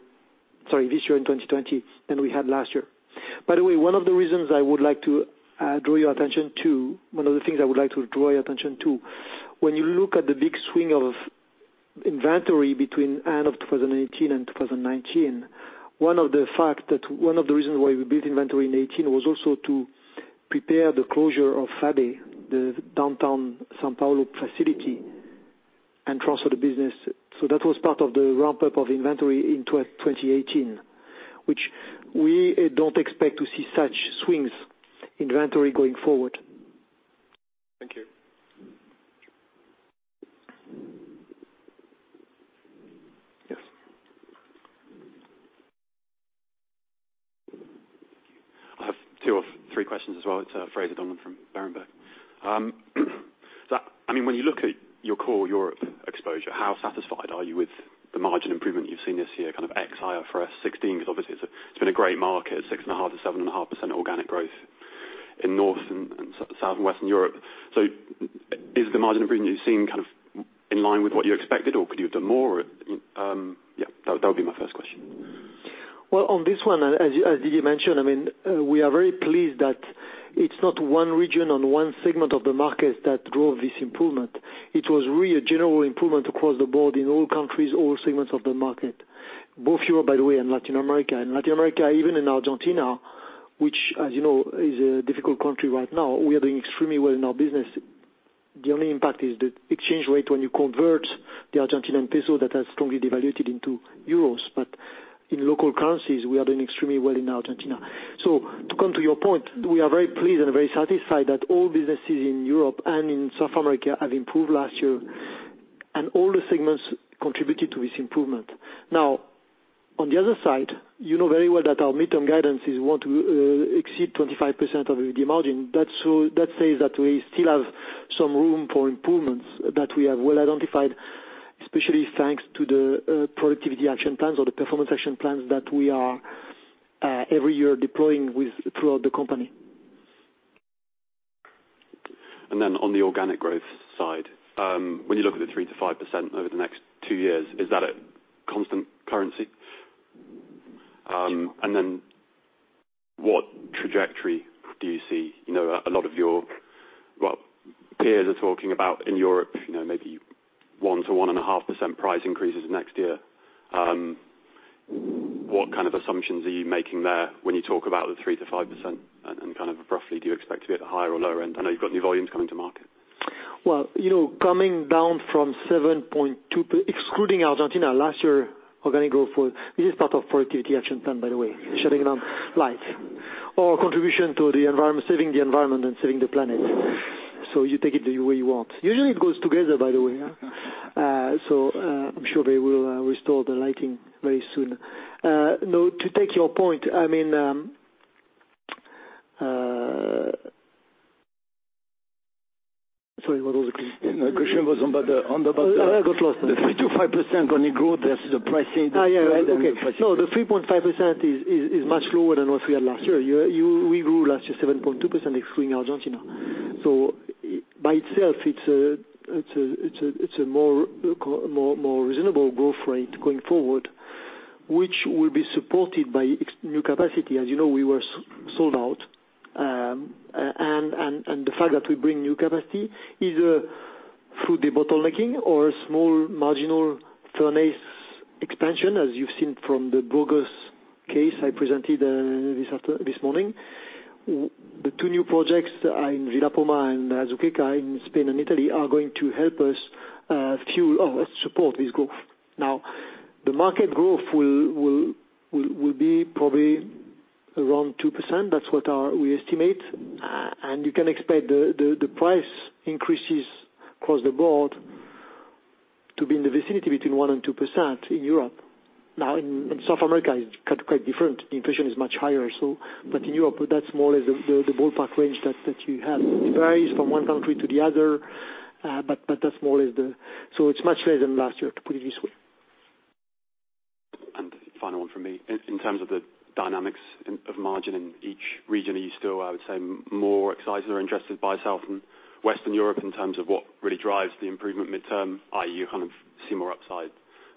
in 2020 than we had last year. By the way, one of the things I would like to draw your attention to, when you look at the big swing of inventory between end of 2018 and 2019, one of the reasons why we built inventory in 2018 was also to prepare the closure of Fabe, the downtown São Paulo facility, and transfer the business. That was part of the ramp-up of inventory in 2018, which we don't expect to see such swings inventory going forward. Thank you. Yes. I have two or three questions as well. It's Fraser Donlon from Berenberg. When you look at your core Europe exposure, how satisfied are you with the margin improvement you've seen this year, kind of ex-IFRS 16? Because obviously it's been a great market, 6.5%-7.5% organic growth in North and South Western Europe. Is the margin improvement you're seeing kind of in line with what you expected? Or could you have done more? That would be my first question. Well, on this one, as Didier mentioned, we are very pleased that it's not one region on one segment of the market that drove this improvement. It was really a general improvement across the board in all countries, all segments of the market. Both Europe, by the way, and Latin America. Latin America, even in Argentina, which as you know, is a difficult country right now. We are doing extremely well in our business. The only impact is the exchange rate when you convert the Argentinian peso that has strongly devalued into euros. In local currencies, we are doing extremely well in Argentina. To come to your point, we are very pleased and very satisfied that all businesses in Europe and in South America have improved last year. All the segments contributed to this improvement. On the other side, you know very well that our midterm guidance is we want to exceed 25% of EBITDA margin. That says that we still have some room for improvements that we have well identified, especially thanks to the productivity action plans or the Performance Action Plans that we are every year deploying throughout the company. On the organic growth side, when you look at the 3%-5% over the next two years, is that at constant currency? Yes. What trajectory do you see? A lot of your peers are talking about in Europe, maybe 1%-1.5% price increases next year. What kind of assumptions are you making there when you talk about the 3%-5% and kind of roughly do you expect to be at the higher or lower end? I know you've got new volumes coming to market. Well, coming down from 7.2%, excluding Argentina last year, organic growth, this is part of Productivity Action Plan, by the way, shutting down lights. Contribution to saving the environment and saving the planet. You take it the way you want. Usually, it goes together, by the way, huh? I'm sure they will restore the lighting very soon. Now, to take your point, sorry, what was the question? The question was about the- I got lost. The 3%-5% organic growth versus the pricing. The 3.5% is much lower than what we had last year. We grew last year 7.2% excluding Argentina. By itself, it's a more reasonable growth rate going forward, which will be supported by new capacity. As you know, we were sold out. The fact that we bring new capacity, either through debottlenecking or a small marginal furnace expansion, as you've seen from the Burgos case I presented this morning. The two new projects in Villa Poma and Azuqueca, in Spain and Italy, are going to help us support this growth. Now, the market growth will be probably around 2%. That's what we estimate. You can expect the price increases across the board to be in the vicinity between 1% and 2% in Europe. Now, in South America, it's quite different. Inflation is much higher. In Europe, that's more or less the ballpark range that you have. It varies from one country to the other, but that's more or less. It's much less than last year, to put it this way. Final one from me. In terms of the dynamics of margin in each region, are you still, I would say, more excited or interested by Southern Western Europe in terms of what really drives the improvement midterm, i.e., you kind of see more upside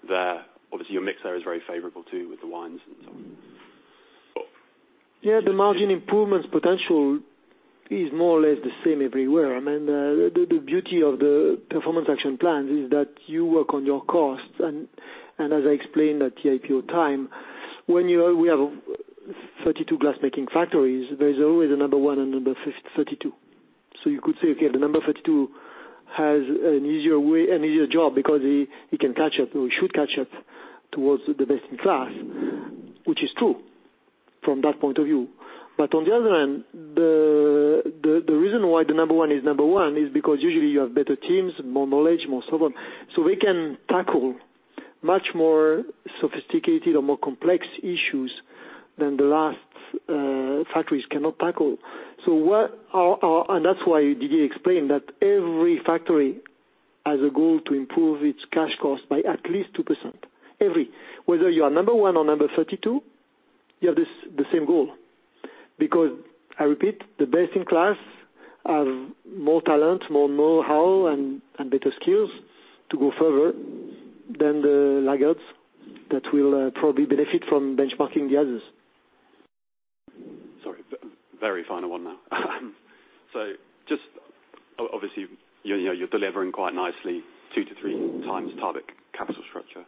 there? Obviously, your mix there is very favorable too, with the wines and so on. Yeah, the margin improvements potential is more or less the same everywhere. I mean, the beauty of the performance action plans is that you work on your costs. As I explained at the IPO time, when we have 32 glass-making factories, there's always a number one and number 32. You could say, okay, the number 32 has an easier job because he can catch up, or he should catch up, towards the best-in-class, which is true from that point of view. On the other hand, the reason why the number one is number one is because usually you have better teams, more knowledge, more so on. We can tackle much more sophisticated or more complex issues than the last factories cannot tackle. That's why Didier explained that every factory has a goal to improve its cash cost by at least 2%. Every. Whether you are number one or number 32, you have the same goal. I repeat, the best-in-class have more talent, more know-how, and better skills to go further than the laggards that will probably benefit from benchmarking the others. Sorry. Very final one now. Just, obviously, you're delivering quite nicely 2x-3x target capital structure.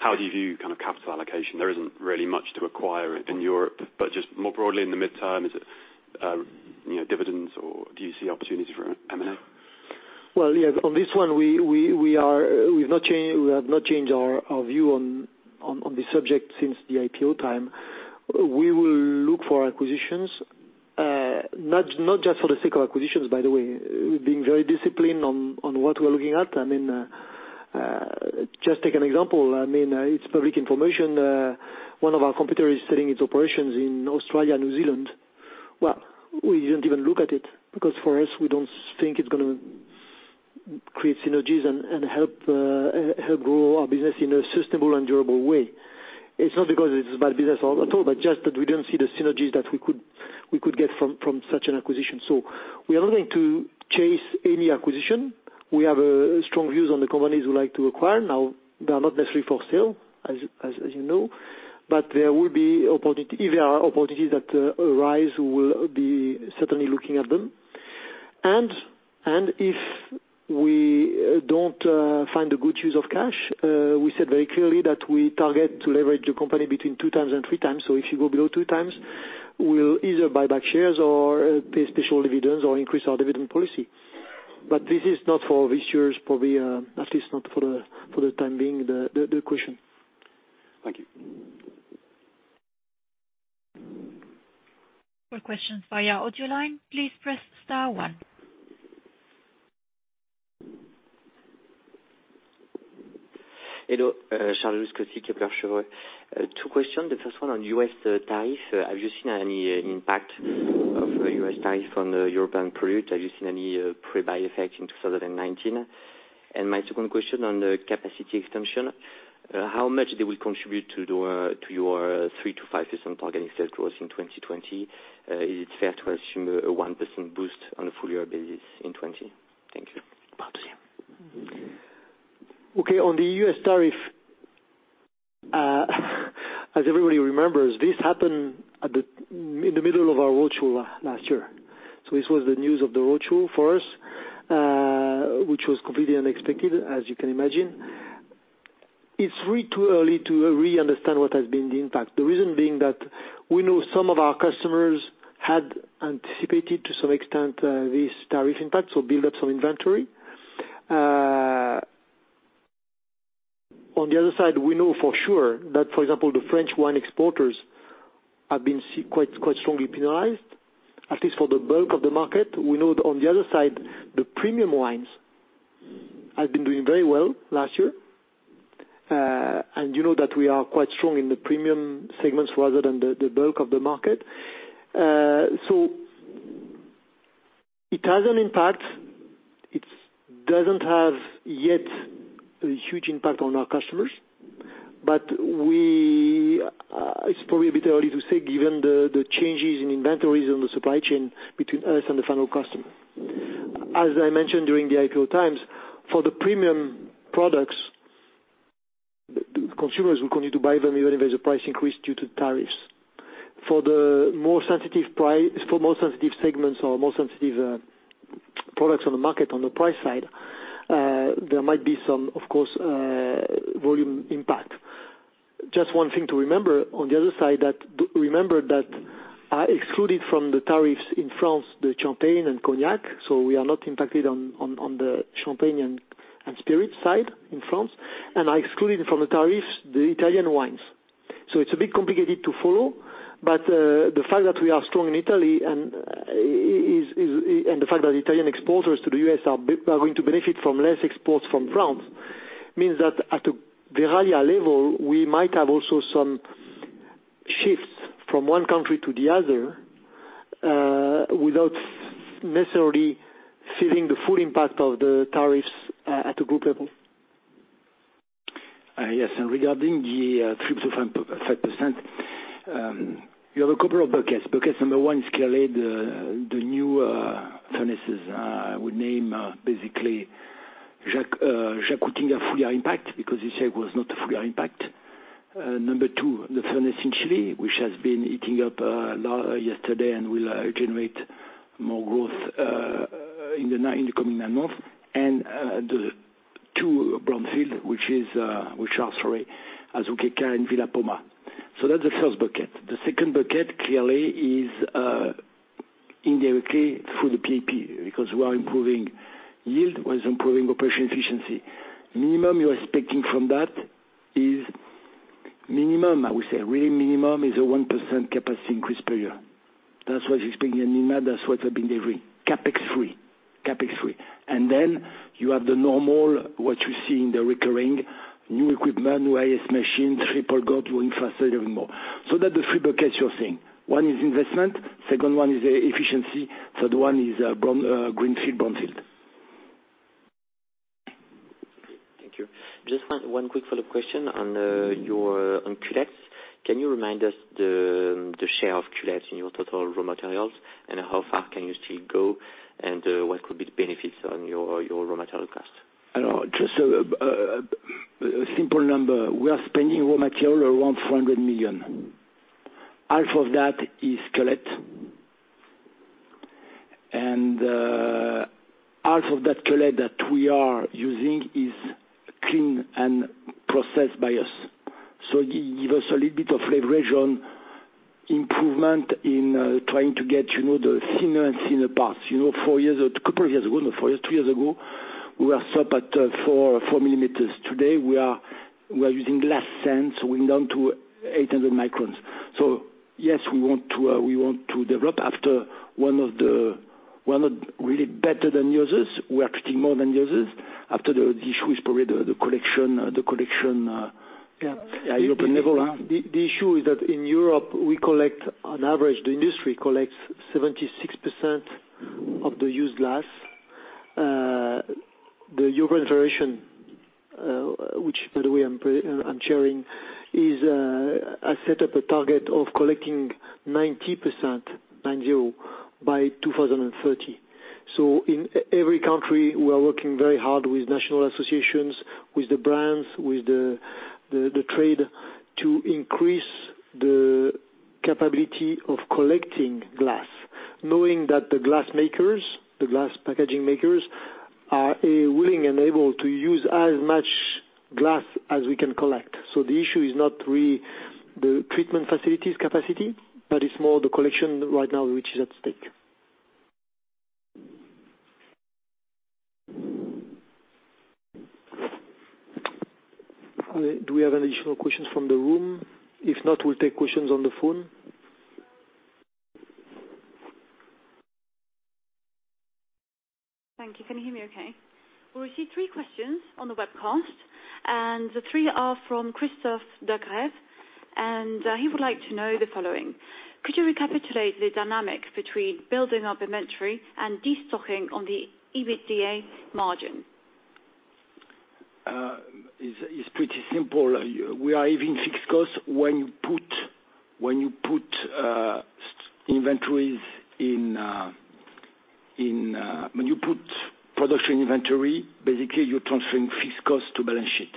How do you view capital allocation? There isn't really much to acquire in Europe, but just more broadly in the midterm, is it dividends, or do you see opportunity for M&A? Well, yes. On this one, we have not changed our view on this subject since the IPO time. We will look for acquisitions. Not just for the sake of acquisitions, by the way. We're being very disciplined on what we're looking at. I mean, just take an example. It's public information. One of our competitor is selling its operations in Australia, New Zealand. Well, we didn't even look at it because, for us, we don't think it's going to create synergies and help grow our business in a sustainable and durable way. It's not because it's a bad business at all, but just that we don't see the synergies that we could get from such an acquisition. We are not going to chase any acquisition. We have strong views on the companies we like to acquire. They are not necessarily for sale, as you know. If there are opportunities that arise, we'll be certainly looking at them. If we don't find a good use of cash, we said very clearly that we target to leverage the company between 2x and 3x. If we go below 2x, we'll either buy back shares or pay special dividends or increase our dividend policy. This is not for this year, probably, at least not for the time being, the question. Thank you. For questions via audio line, please press star one. Hello. Charles Scotti, Kepler Cheuvreux. Two questions. The first one on U.S. tariff. Have you seen any impact of U.S. tariff on the European product? Have you seen any pre-buy effect in 2019? My second question on the capacity extension. How much they will contribute to your 3%-5% organic sales growth in 2020? Is it fair to assume a 1% boost on a full year basis in 2020? Thank you. Okay. On the U.S. tariff, as everybody remembers, this happened in the middle of our roadshow last year. This was the news of the roadshow for us, which was completely unexpected, as you can imagine. It's way too early to really understand what has been the impact. The reason being that we know some of our customers had anticipated, to some extent, this tariff impact, so build up some inventory. On the other side, we know for sure that, for example, the French wine exporters have been quite strongly penalized, at least for the bulk of the market. We know that on the other side, the premium wines have been doing very well last year. You know that we are quite strong in the premium segments rather than the bulk of the market. It has an impact. It doesn't have, yet, a huge impact on our customers, but it's probably a bit early to say, given the changes in inventories and the supply chain between us and the final customer. As I mentioned during the IPO times, for the premium products, consumers will continue to buy them even if there's a price increase due to tariffs. For more sensitive segments or more sensitive products on the market, on the price side, there might be some volume impact. Just one thing to remember, on the other side, remember that excluded from the tariffs in France, the champagne and cognac, so we are not impacted on the champagne and spirit side in France. I excluded from the tariffs the Italian wines. It's a bit complicated to follow, but the fact that we are strong in Italy and the fact that Italian exporters to the U.S. are going to benefit from less exports from France, means that at the Verallia level, we might have also some shifts from one country to the other, without necessarily feeling the full impact of the tariffs at a group level. Yes, regarding the 3%-5%, you have a couple of buckets. Bucket number one is clearly the new furnaces. I would name basically Jacutinga full-year impact because you said it was not a full-year impact. Number two, the furnace in Chile, which has been heating up yesterday and will generate more growth in the coming nine months. The two brownfield, which are Azuqueca and Villa Poma. That's the first bucket. The second bucket, clearly is indirectly through the PAP, because we are improving yield, we are improving operation efficiency. Minimum you are expecting from that, I would say, really minimum is a 1% capacity increase per year. That's what you're expecting in minimum. That's what we have been delivering. CapEx free. Then you have the normal, what you see in the recurring, new equipment, new IS machines, triple gob, dual infrastructure, even more. That's the three buckets you're seeing. One is investment, second one is efficiency, third one is greenfield/brownfield. Thank you. Just one quick follow-up question on cullets. Can you remind us the share of cullets in your total raw materials, and how far can you still go, and what could be the benefits on your raw material cost? Just a simple number. We are spending raw material around 400 million. Half of that is cullet. Half of that cullet that we are using is clean and processed by us. It give us a little bit of leverage on improvement in trying to get the thinner and thinner parts. Four years, three years ago, we were stuck at 4 mm. Today, we are using less sand, we're down to 800 microns. Yes, we want to develop after one of the really better than users. We are treating more than users after the issue is probably the collection at European level. The issue is that in Europe, we collect, on average, the industry collects 76% of the used glass. The European Federation, which by the way I am sharing, I set up a target of collecting 90%, 90, by 2030. In every country, we are working very hard with national associations, with the brands, with the trade to increase the capability of collecting glass, knowing that the glass makers, the glass packaging makers, are willing and able to use as much glass as we can collect. The issue is not really the treatment facilities capacity, but it is more the collection right now, which is at stake. Do we have any additional questions from the room? If not, we'll take questions on the phone. Thank you. Can you hear me okay? We received three questions on the webcast, and the three are from Kristof De Graeve, and he would like to know the following. Could you recapitulate the dynamics between building up inventory and destocking on the EBITDA margin? It's pretty simple. We are having fixed cost when you put production inventory, basically you're transferring fixed cost to balance sheet,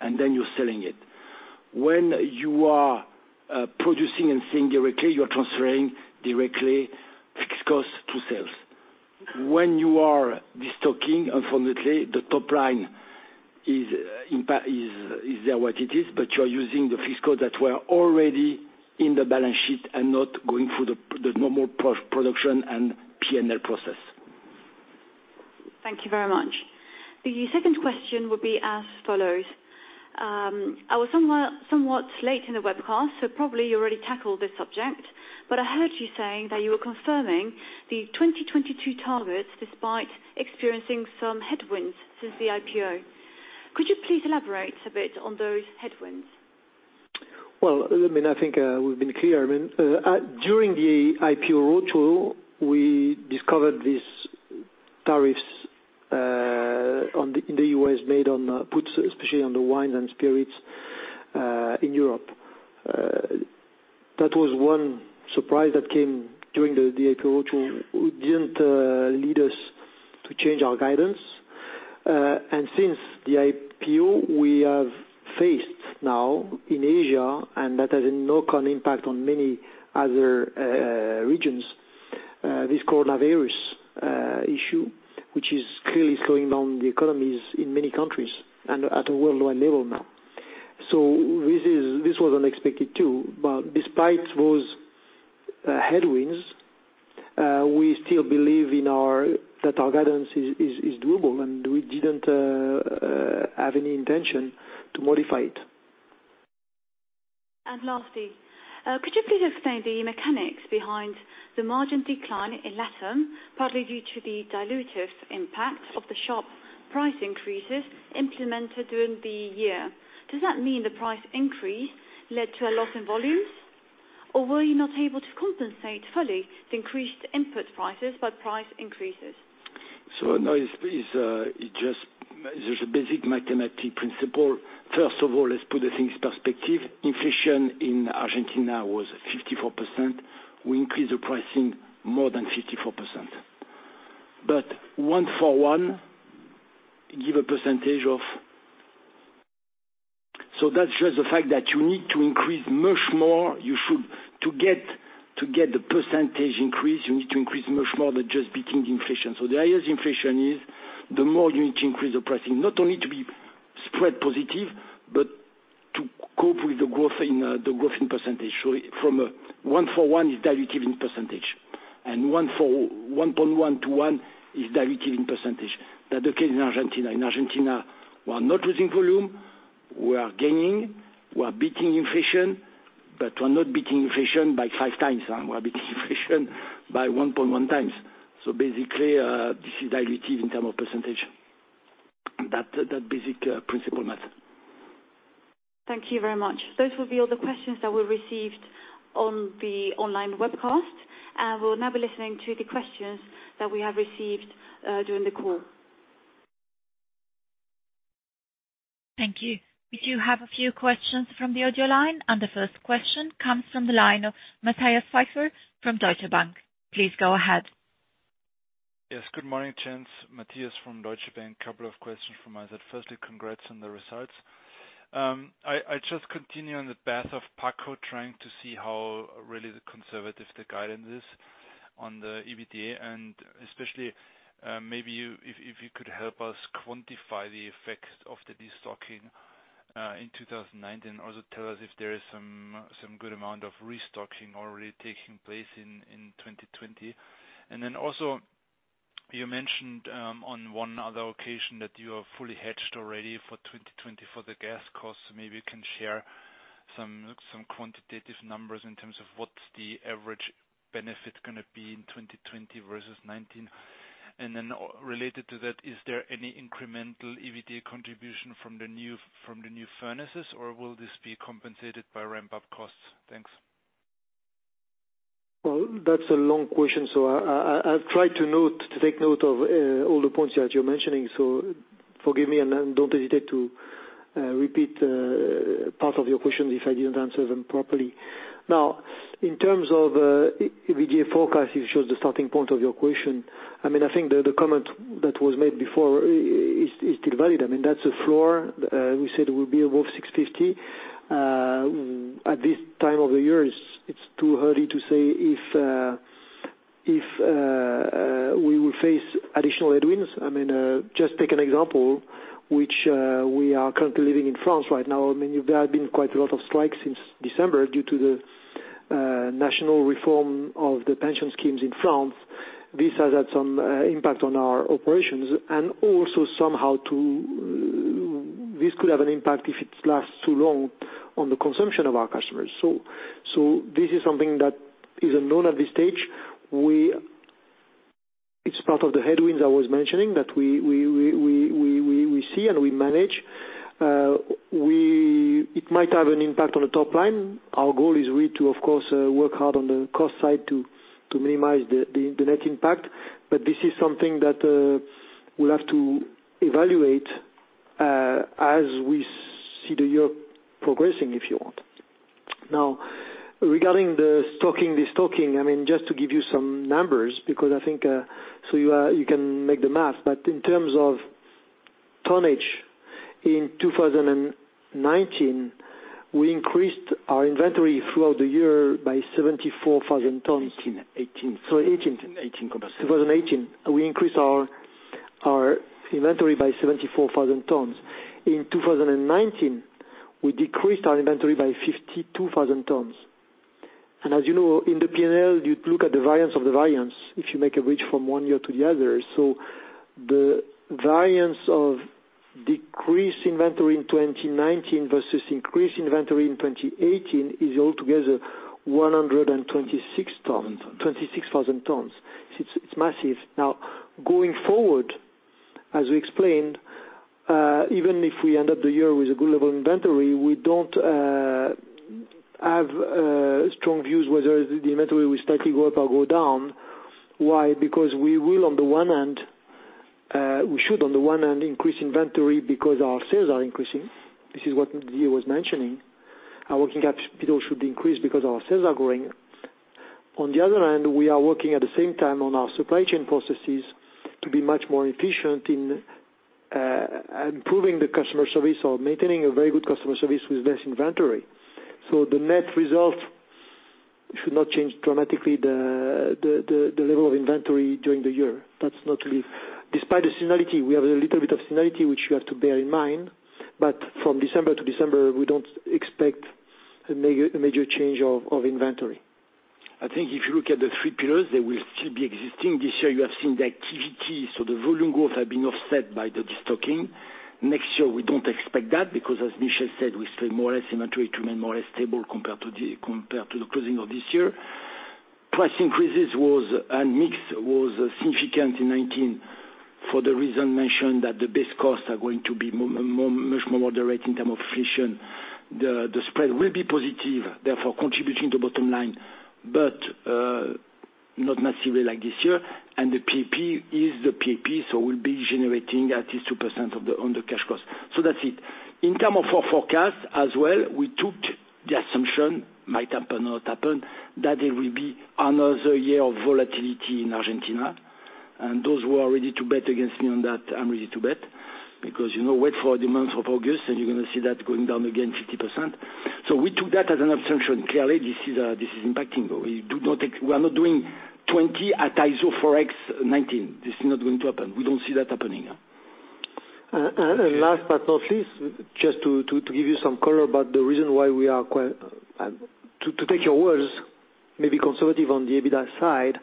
and then you're selling it. When you are producing and selling directly, you are transferring directly fixed costs to sales. When you are destocking, unfortunately, the top line is what it is, but you are using the fixed costs that were already in the balance sheet and not going through the normal production and P&L process. Thank you very much. The second question would be as follows. I was somewhat late in the webcast, so probably you already tackled this subject, but I heard you saying that you were confirming the 2022 targets despite experiencing some headwinds since the IPO. Could you please elaborate a bit on those headwinds? Well, I think we've been clear. During the IPO roadshow, we discovered these tariffs the U.S. made, especially on the wines and spirits in Europe. That was one surprise that came during the IPO roadshow. It didn't lead us to change our guidance. Since the IPO, we have faced now in Asia, and that has a knock-on impact on many other regions, this coronavirus issue, which is clearly slowing down the economies in many countries and at a worldwide level now. This was unexpected, too. Despite those headwinds, we still believe that our guidance is doable, and we didn't have any intention to modify it. Lastly, could you please explain the mechanics behind the margin decline in LATAM, partly due to the dilutive impact of the sharp price increases implemented during the year? Does that mean the price increase led to a loss in volumes? Were you not able to compensate fully the increased input prices by price increases? No, there's a basic mathematical principle. First of all, let's put things in perspective. Inflation in Argentina was 54%. We increased the pricing more than 54%. One for one give a percentage of that shows the fact that you need to increase much more. To get the percentage increase, you need to increase much more than just beating inflation. The higher the inflation is, the more you need to increase the pricing, not only to be spread positive, but to cope with the growth in percentage. From a one for one is dilutive in percentage, and 1.1 to one is dilutive in percentage. That's the case in Argentina. In Argentina, we are not losing volume. We are gaining, we are beating inflation, but we're not beating inflation by 5x. We are beating inflation by 1.1x. Basically, this is dilutive in terms of percentage. That basic principle math. Thank you very much. Those will be all the questions that we received on the online webcast. We will now be listening to the questions that we have received during the call. Thank you. We do have a few questions from the audio line, and the first question comes from the line of Matthias Pfeifenberger from Deutsche Bank. Please go ahead. Yes, good morning, gents. Matthias from Deutsche Bank. Couple of questions from my side. Firstly, congrats on the results. I just continue on the path of Paco trying to see how really conservative the guidance is on the EBITDA, and especially maybe if you could help us quantify the effect of the destocking in 2019. Also, tell us if there is some good amount of restocking already taking place in 2020. Also, you mentioned on one other occasion that you are fully hedged already for 2020 for the gas costs. Maybe you can share some quantitative numbers in terms of what's the average benefit going to be in 2020 versus 2019. Related to that, is there any incremental EBITDA contribution from the new furnaces, or will this be compensated by ramp-up costs? Thanks. Well, that's a long question, so I'll try to take note of all the points that you're mentioning. Forgive me, and don't hesitate to repeat part of your question if I didn't answer them properly. Now, in terms of EBITDA forecast, if it shows the starting point of your question, I think the comment that was made before is still valid. That's a floor. We said it will be above 650 million. At this time of the year, it's too early to say if we will face additional headwinds. Just take an example, which we are currently living in France right now. There have been quite a lot of strikes since December due to the national reform of the pension schemes in France. This has had some impact on our operations and also somehow this could have an impact if it lasts too long on the consumption of our customers. This is something that isn't known at this stage. It's part of the headwinds I was mentioning that we see and we manage. It might have an impact on the top line. Our goal is really to, of course, work hard on the cost side to minimize the net impact. This is something that we'll have to evaluate as we see the year progressing, if you want. Regarding the stocking, destocking, just to give you some numbers, you can make the math. In terms of tonnage, in 2019, we increased our inventory throughout the year by 74,000 tons. 2018. Sorry, 2018. 2018, correct. 2018, we increased our inventory by 74,000 tons. In 2019, we decreased our inventory by 52,000 tons. As you know, in the P&L, you look at the variance of the variance if you make a bridge from one year to the other. The variance of decreased inventory in 2019 versus increased inventory in 2018 is altogether 126,000 tons. It's massive. Now, going forward, as we explained, even if we end up the year with a good level of inventory, we don't have strong views whether the inventory will slightly go up or go down. Why? Because we should, on the one hand, increase inventory because our sales are increasing. This is what Didier was mentioning. Our working capital should increase because our sales are growing. On the other hand, we are working at the same time on our supply chain processes to be much more efficient in improving the customer service or maintaining a very good customer service with less inventory. The net result should not change dramatically the level of inventory during the year. Despite the seasonality, we have a little bit of seasonality, which you have to bear in mind, but from December to December, we don't expect a major change of inventory. I think if you look at the three pillars, they will still be existing. This year you have seen the activity, so the volume growth have been offset by the destocking. Next year, we don't expect that because as Michel said, we expect more or less inventory to remain more or less stable compared to the closing of this year. Price increases and mix was significant in 2019 for the reason mentioned that the base costs are going to be much more moderate in terms of inflation. The spread will be positive, therefore contributing to bottom line, but not massively like this year. The PAP is the PAP, so we'll be generating at least 2% on the cash cost. That's it. In terms of our forecast as well, we took the assumption, might happen or not happen, that there will be another year of volatility in Argentina. Those who are ready to bet against me on that, I'm ready to bet, because wait for the month of August and you're going to see that going down again 50%. We took that as an assumption. Clearly, this is impacting, though. We are not doing 2020 at ISO forex 2019. This is not going to happen. We don't see that happening. Last but not least, just to give you some color about the reason why we are quite, to take your words, maybe conservative on the EBITDA side,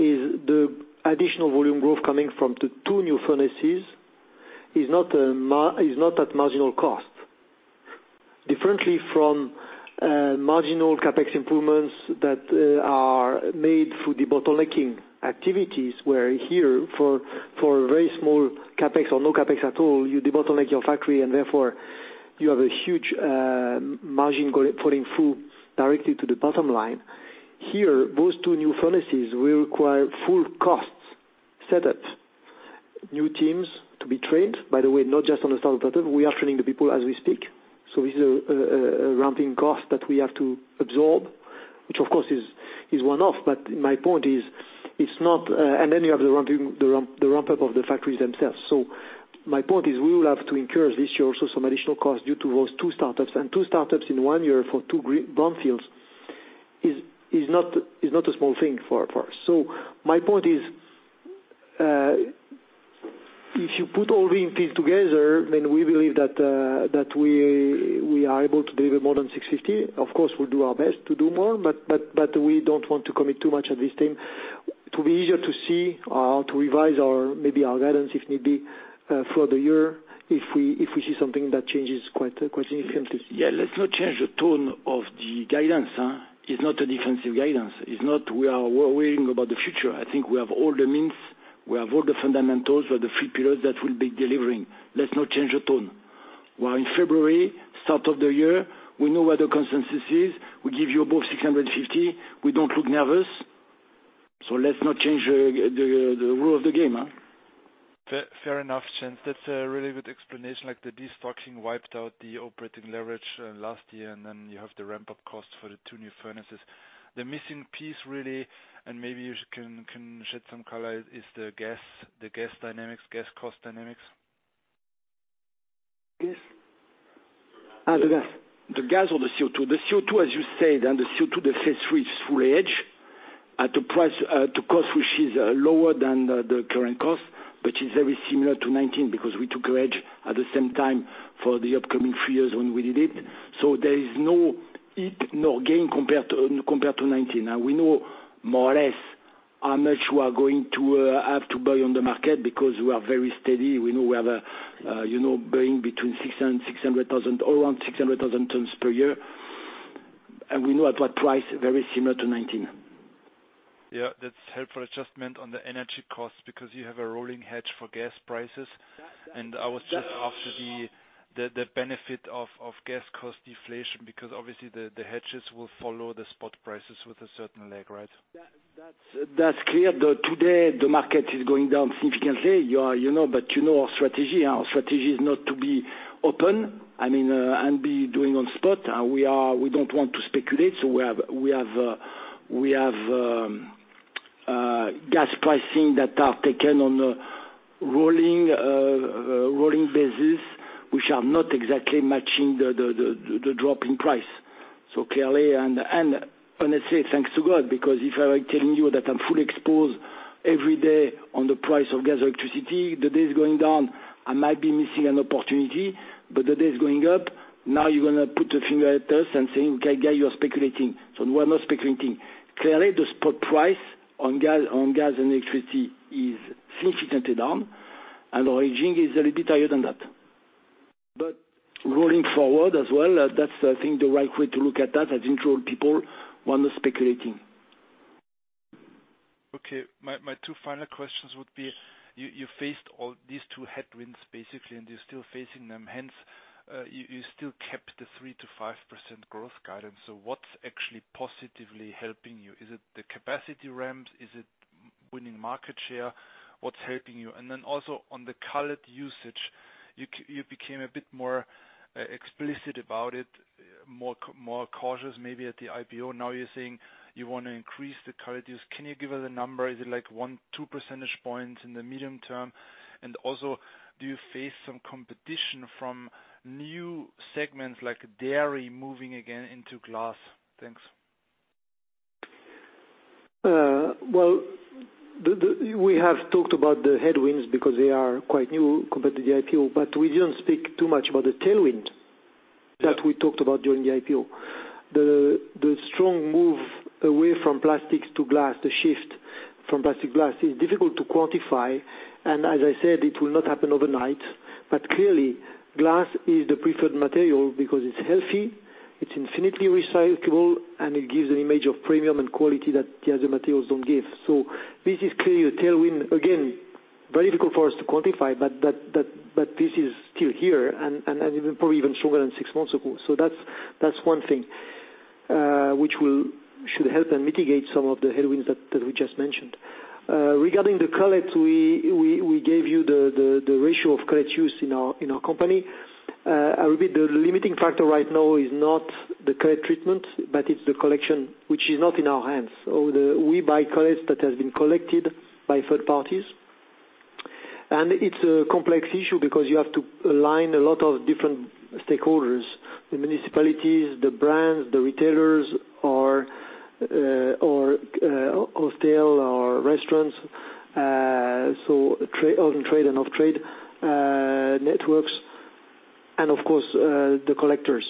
is the additional volume growth coming from the two new furnaces is not at marginal cost. Differently from marginal CapEx improvements that are made through debottlenecking activities, where here, for very small CapEx or no CapEx at all, you bottleneck your factory and therefore you have a huge margin falling through directly to the bottom line. Here, those two new furnaces will require full cost set up, new teams to be trained. By the way, not just on the standard pattern. We are training the people as we speak. This is a ramping cost that we have to absorb, which of course, is one-off. You have the ramp-up of the factories themselves. My point is, we will have to incur this year also some additional costs due to those two startups. Two startups in one year for two brownfields is not a small thing for us. My point is, if you put all these things together, then we believe that we are able to deliver more than 650 million. Of course, we'll do our best to do more, but we don't want to commit too much at this time. It will be easier to see or to revise maybe our guidance, if need be, for the year if we see something that changes quite significantly. Yeah, let's not change the tone of the guidance. It's not a defensive guidance. It's not we are worrying about the future. I think we have all the means, we have all the fundamentals for the three pillars that we'll be delivering. Let's not change the tone. We are in February, start of the year. We know where the consensus is. We give you above 650 million. We don't look nervous. Let's not change the rule of the game. Fair enough, gents. That's a really good explanation, like the destocking wiped out the operating leverage last year, and then you have the ramp-up cost for the two new furnaces. The missing piece, really, and maybe you can shed some color, is the gas cost dynamics. Gas? The gas. The gas or the CO2. The CO2, as you said, the CO2, the phase III is fully hedged at a cost which is lower than the current cost, but is very similar to 2019 because we took a hedge at the same time for the upcoming three years when we did it. There is no gain compared to 2019. Now we know more or less how much we are going to have to buy on the market because we are very steady. We know we have a buying between 600,000 or around 600,000 tons per year, and we know at what price, very similar to 2019. Yeah, that's helpful adjustment on the energy cost because you have a rolling hedge for gas prices. I was just after the benefit of gas cost deflation because obviously the hedges will follow the spot prices with a certain lag, right? That's clear. Today, the market is going down significantly. You know our strategy. Our strategy is not to be open and be doing on spot. We don't want to speculate, so we have gas pricing that are taken on a rolling basis, which are not exactly matching the drop in price. Clearly, and honestly, thanks to God, because if I were telling you that I'm fully exposed every day on the price of gas, electricity, the day is going down, I might be missing an opportunity, but the day is going up, now you're going to put a finger at us and saying, "Okay, guys, you are speculating." We are not speculating. Clearly, the spot price on gas and electricity is significantly down, and our hedging is a little bit higher than that. Rolling forward as well, that's I think the right way to look at that. I think for all people, we're not speculating. Okay. My two final questions would be, you faced all these two headwinds, basically, and you're still facing them. You still kept the 3%-5% growth guidance. What's actually positively helping you? Is it the capacity ramps? Is it winning market share? What's helping you? Also on the cullet usage, you became a bit more explicit about it, more cautious, maybe at the IPO. Now you're saying you want to increase the cullet use. Can you give us a number? Is it like 2 percentage points in the medium term? Do you face some competition from new segments like dairy moving again into glass? Thanks. We have talked about the headwinds because they are quite new compared to the IPO, but we didn't speak too much about the tailwind that we talked about during the IPO. The strong move away from plastics to glass, the shift from plastic to glass, is difficult to quantify, and as I said, it will not happen overnight. Clearly, glass is the preferred material because it's healthy, it's infinitely recyclable, and it gives an image of premium and quality that the other materials don't give. This is clearly a tailwind. Again, very difficult for us to quantify, but this is still here, and probably even stronger than six months ago. That's one thing which should help and mitigate some of the headwinds that we just mentioned. Regarding the cullet, we gave you the ratio of cullet use in our company. I repeat, the limiting factor right now is not the cullet treatment, but it's the collection, which is not in our hands. We buy cullet that has been collected by third parties. It's a complex issue because you have to align a lot of different stakeholders, the municipalities, the brands, the retailers or hotel or restaurants, on-trade and off-trade networks, and of course, the collectors.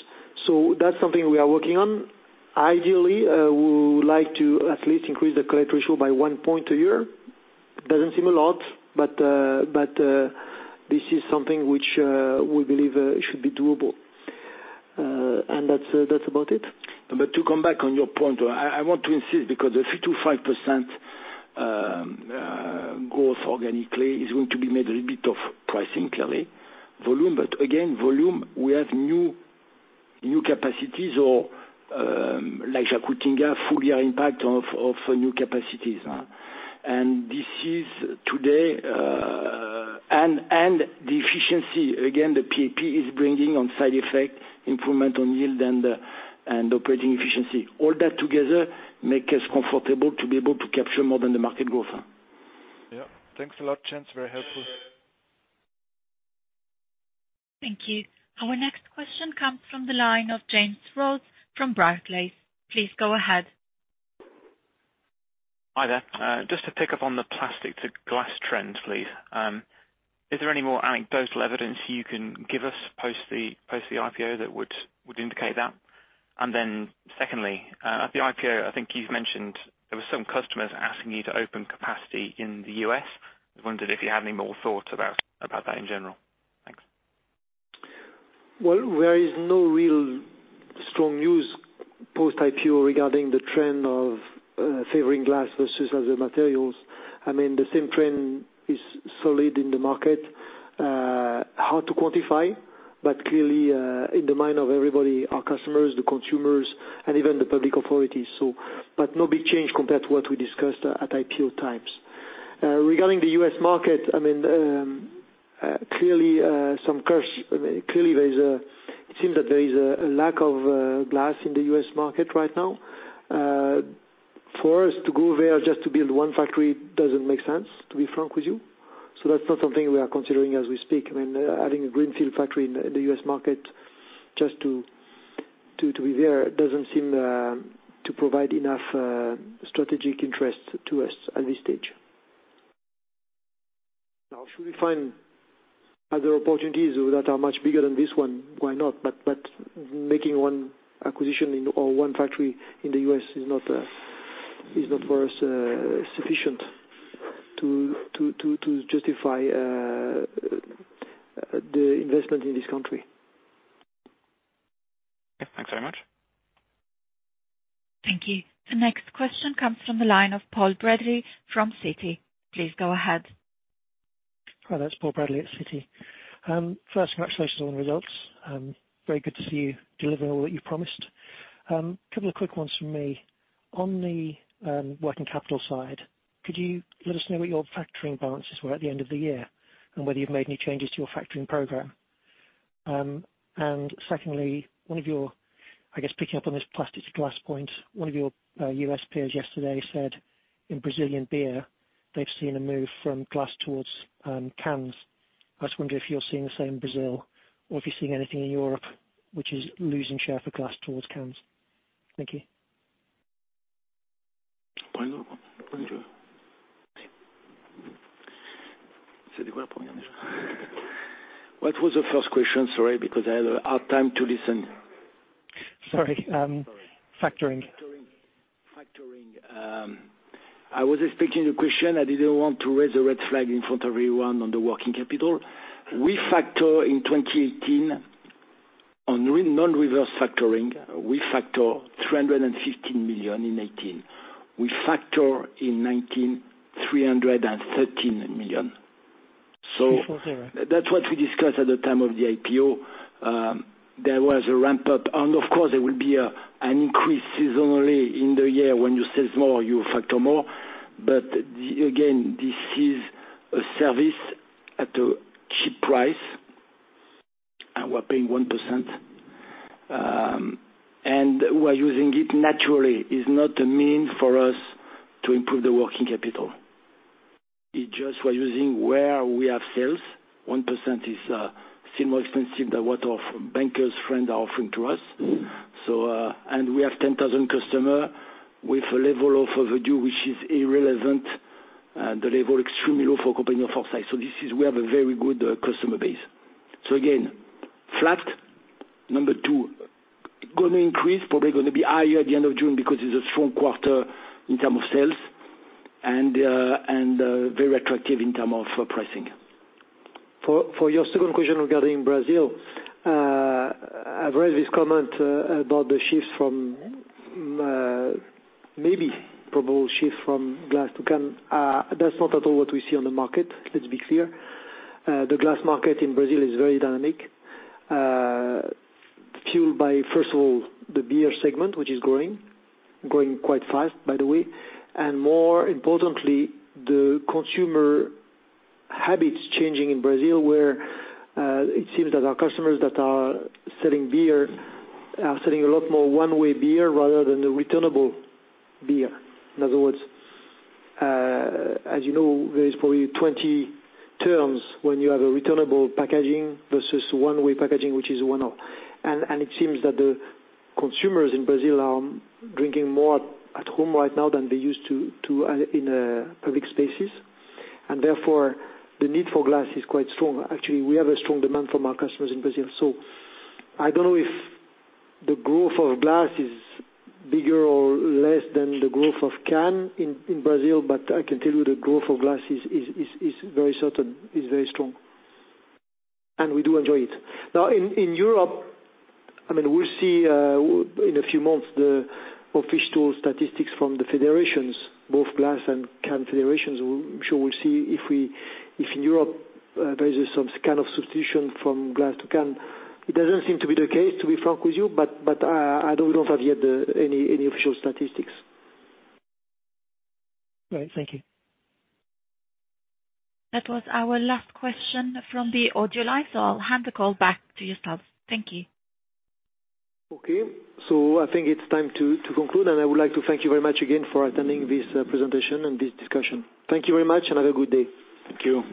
That's something we are working on. Ideally, we would like to at least increase the cullet ratio by one point a year. It doesn't seem a lot, but this is something which we believe should be doable. That's about it. To come back on your point, I want to insist because the 3%-5% growth organically is going to be made a little bit of pricing, clearly. Volume, but again, volume, we have new capacities or like Jacutinga, full-year impact of new capacities. The efficiency, again, the PAP is bringing on side effect improvement on yield and operating efficiency. All that together make us comfortable to be able to capture more than the market growth. Yeah. Thanks a lot, gents. Very helpful. Thank you. Our next question comes from the line of James Rose from Barclays. Please go ahead. Hi there. Just to pick up on the plastic to glass trends, please. Is there any more anecdotal evidence you can give us post the IPO that would indicate that? Secondly, at the IPO, I think you've mentioned there were some customers asking you to open capacity in the U.S. I wondered if you had any more thoughts about that in general. Thanks. There is no real strong news post IPO regarding the trend of favoring glass versus other materials. The same trend is solid in the market, hard to quantify, but clearly in the mind of everybody, our customers, the consumers, and even the public authorities. No big change compared to what we discussed at IPO times. Regarding the U.S. market, clearly, it seems that there is a lack of glass in the U.S. market right now. For us to go there just to build one factory doesn't make sense, to be frank with you. That's not something we are considering as we speak. Adding a greenfield factory in the U.S. market just to be there doesn't seem to provide enough strategic interest to us at this stage. If we find other opportunities that are much bigger than this one, why not? Making one acquisition or one factory in the U.S. is not for us sufficient to justify the investment in this country. Okay. Thanks very much. Thank you. The next question comes from the line of Paul Bradley from Citi. Please go ahead. Hi, there. It's Paul Bradley at Citi. First, congratulations on the results. Very good to see you delivering all that you promised. Couple of quick ones from me. On the working capital side, could you let us know what your factoring balances were at the end of the year and whether you've made any changes to your factoring program? Secondly, I guess picking up on this plastic to glass point, one of your U.S. peers yesterday said in Brazilian beer, they've seen a move from glass towards cans. I just wonder if you're seeing the same in Brazil or if you're seeing anything in Europe, which is losing share for glass towards cans. Thank you. What was the first question? Sorry, because I had a hard time to listen. Sorry. Factoring. Factoring. I was expecting the question. I didn't want to raise a red flag in front of everyone on the working capital. On non-reverse factoring, we factor 315 million in 2018. We factor, in 2019, 313 million. Okay. That's what we discussed at the time of the IPO. There was a ramp up and, of course, there will be an increase seasonally in the year. When you sell more, you factor more, but again, this is a service at a cheap price, and we're paying 1%. We're using it naturally. It's not a means for us to improve the working capital. It's just we're using where we have sales, 1% is still more expensive than what our bankers' friends are offering to us. We have 10,000 customers with a level of overdue, which is irrelevant, and the level extremely low for a company of our size. We have a very good customer base. Again, flat. Number two, going to increase, probably going to be higher at the end of June because it's a strong quarter in terms of sales and very attractive in terms of pricing. For your second question regarding Brazil, I've read this comment about the shifts from, maybe probable shift from glass to can. That's not at all what we see on the market. Let's be clear. The glass market in Brazil is very dynamic, fueled by, first of all, the beer segment, which is growing quite fast, by the way. More importantly, the consumer habits changing in Brazil, where it seems that our customers that are selling beer are selling a lot more one-way beer rather than the returnable beer. In other words, as you know, there is probably 20 terms when you have a returnable packaging versus one-way packaging, which is one off. It seems that the consumers in Brazil are drinking more at home right now than they used to in public spaces. Therefore, the need for glass is quite strong. Actually, we have a strong demand from our customers in Brazil. I don't know if the growth of glass is bigger or less than the growth of can in Brazil, but I can tell you the growth of glass is very certain, is very strong. We do enjoy it. Now, in Europe, we'll see in a few months the official statistics from the federations, both glass and can federations. I'm sure we'll see if in Europe, there is some kind of substitution from glass to can. It doesn't seem to be the case, to be frank with you, but I don't know if I've heard any official statistics. All right. Thank you. That was our last question from the audio line. I'll hand the call back to yourselves. Thank you. Okay. I think it's time to conclude. I would like to thank you very much again for attending this presentation and this discussion. Thank you very much. Have a good day. Thank you.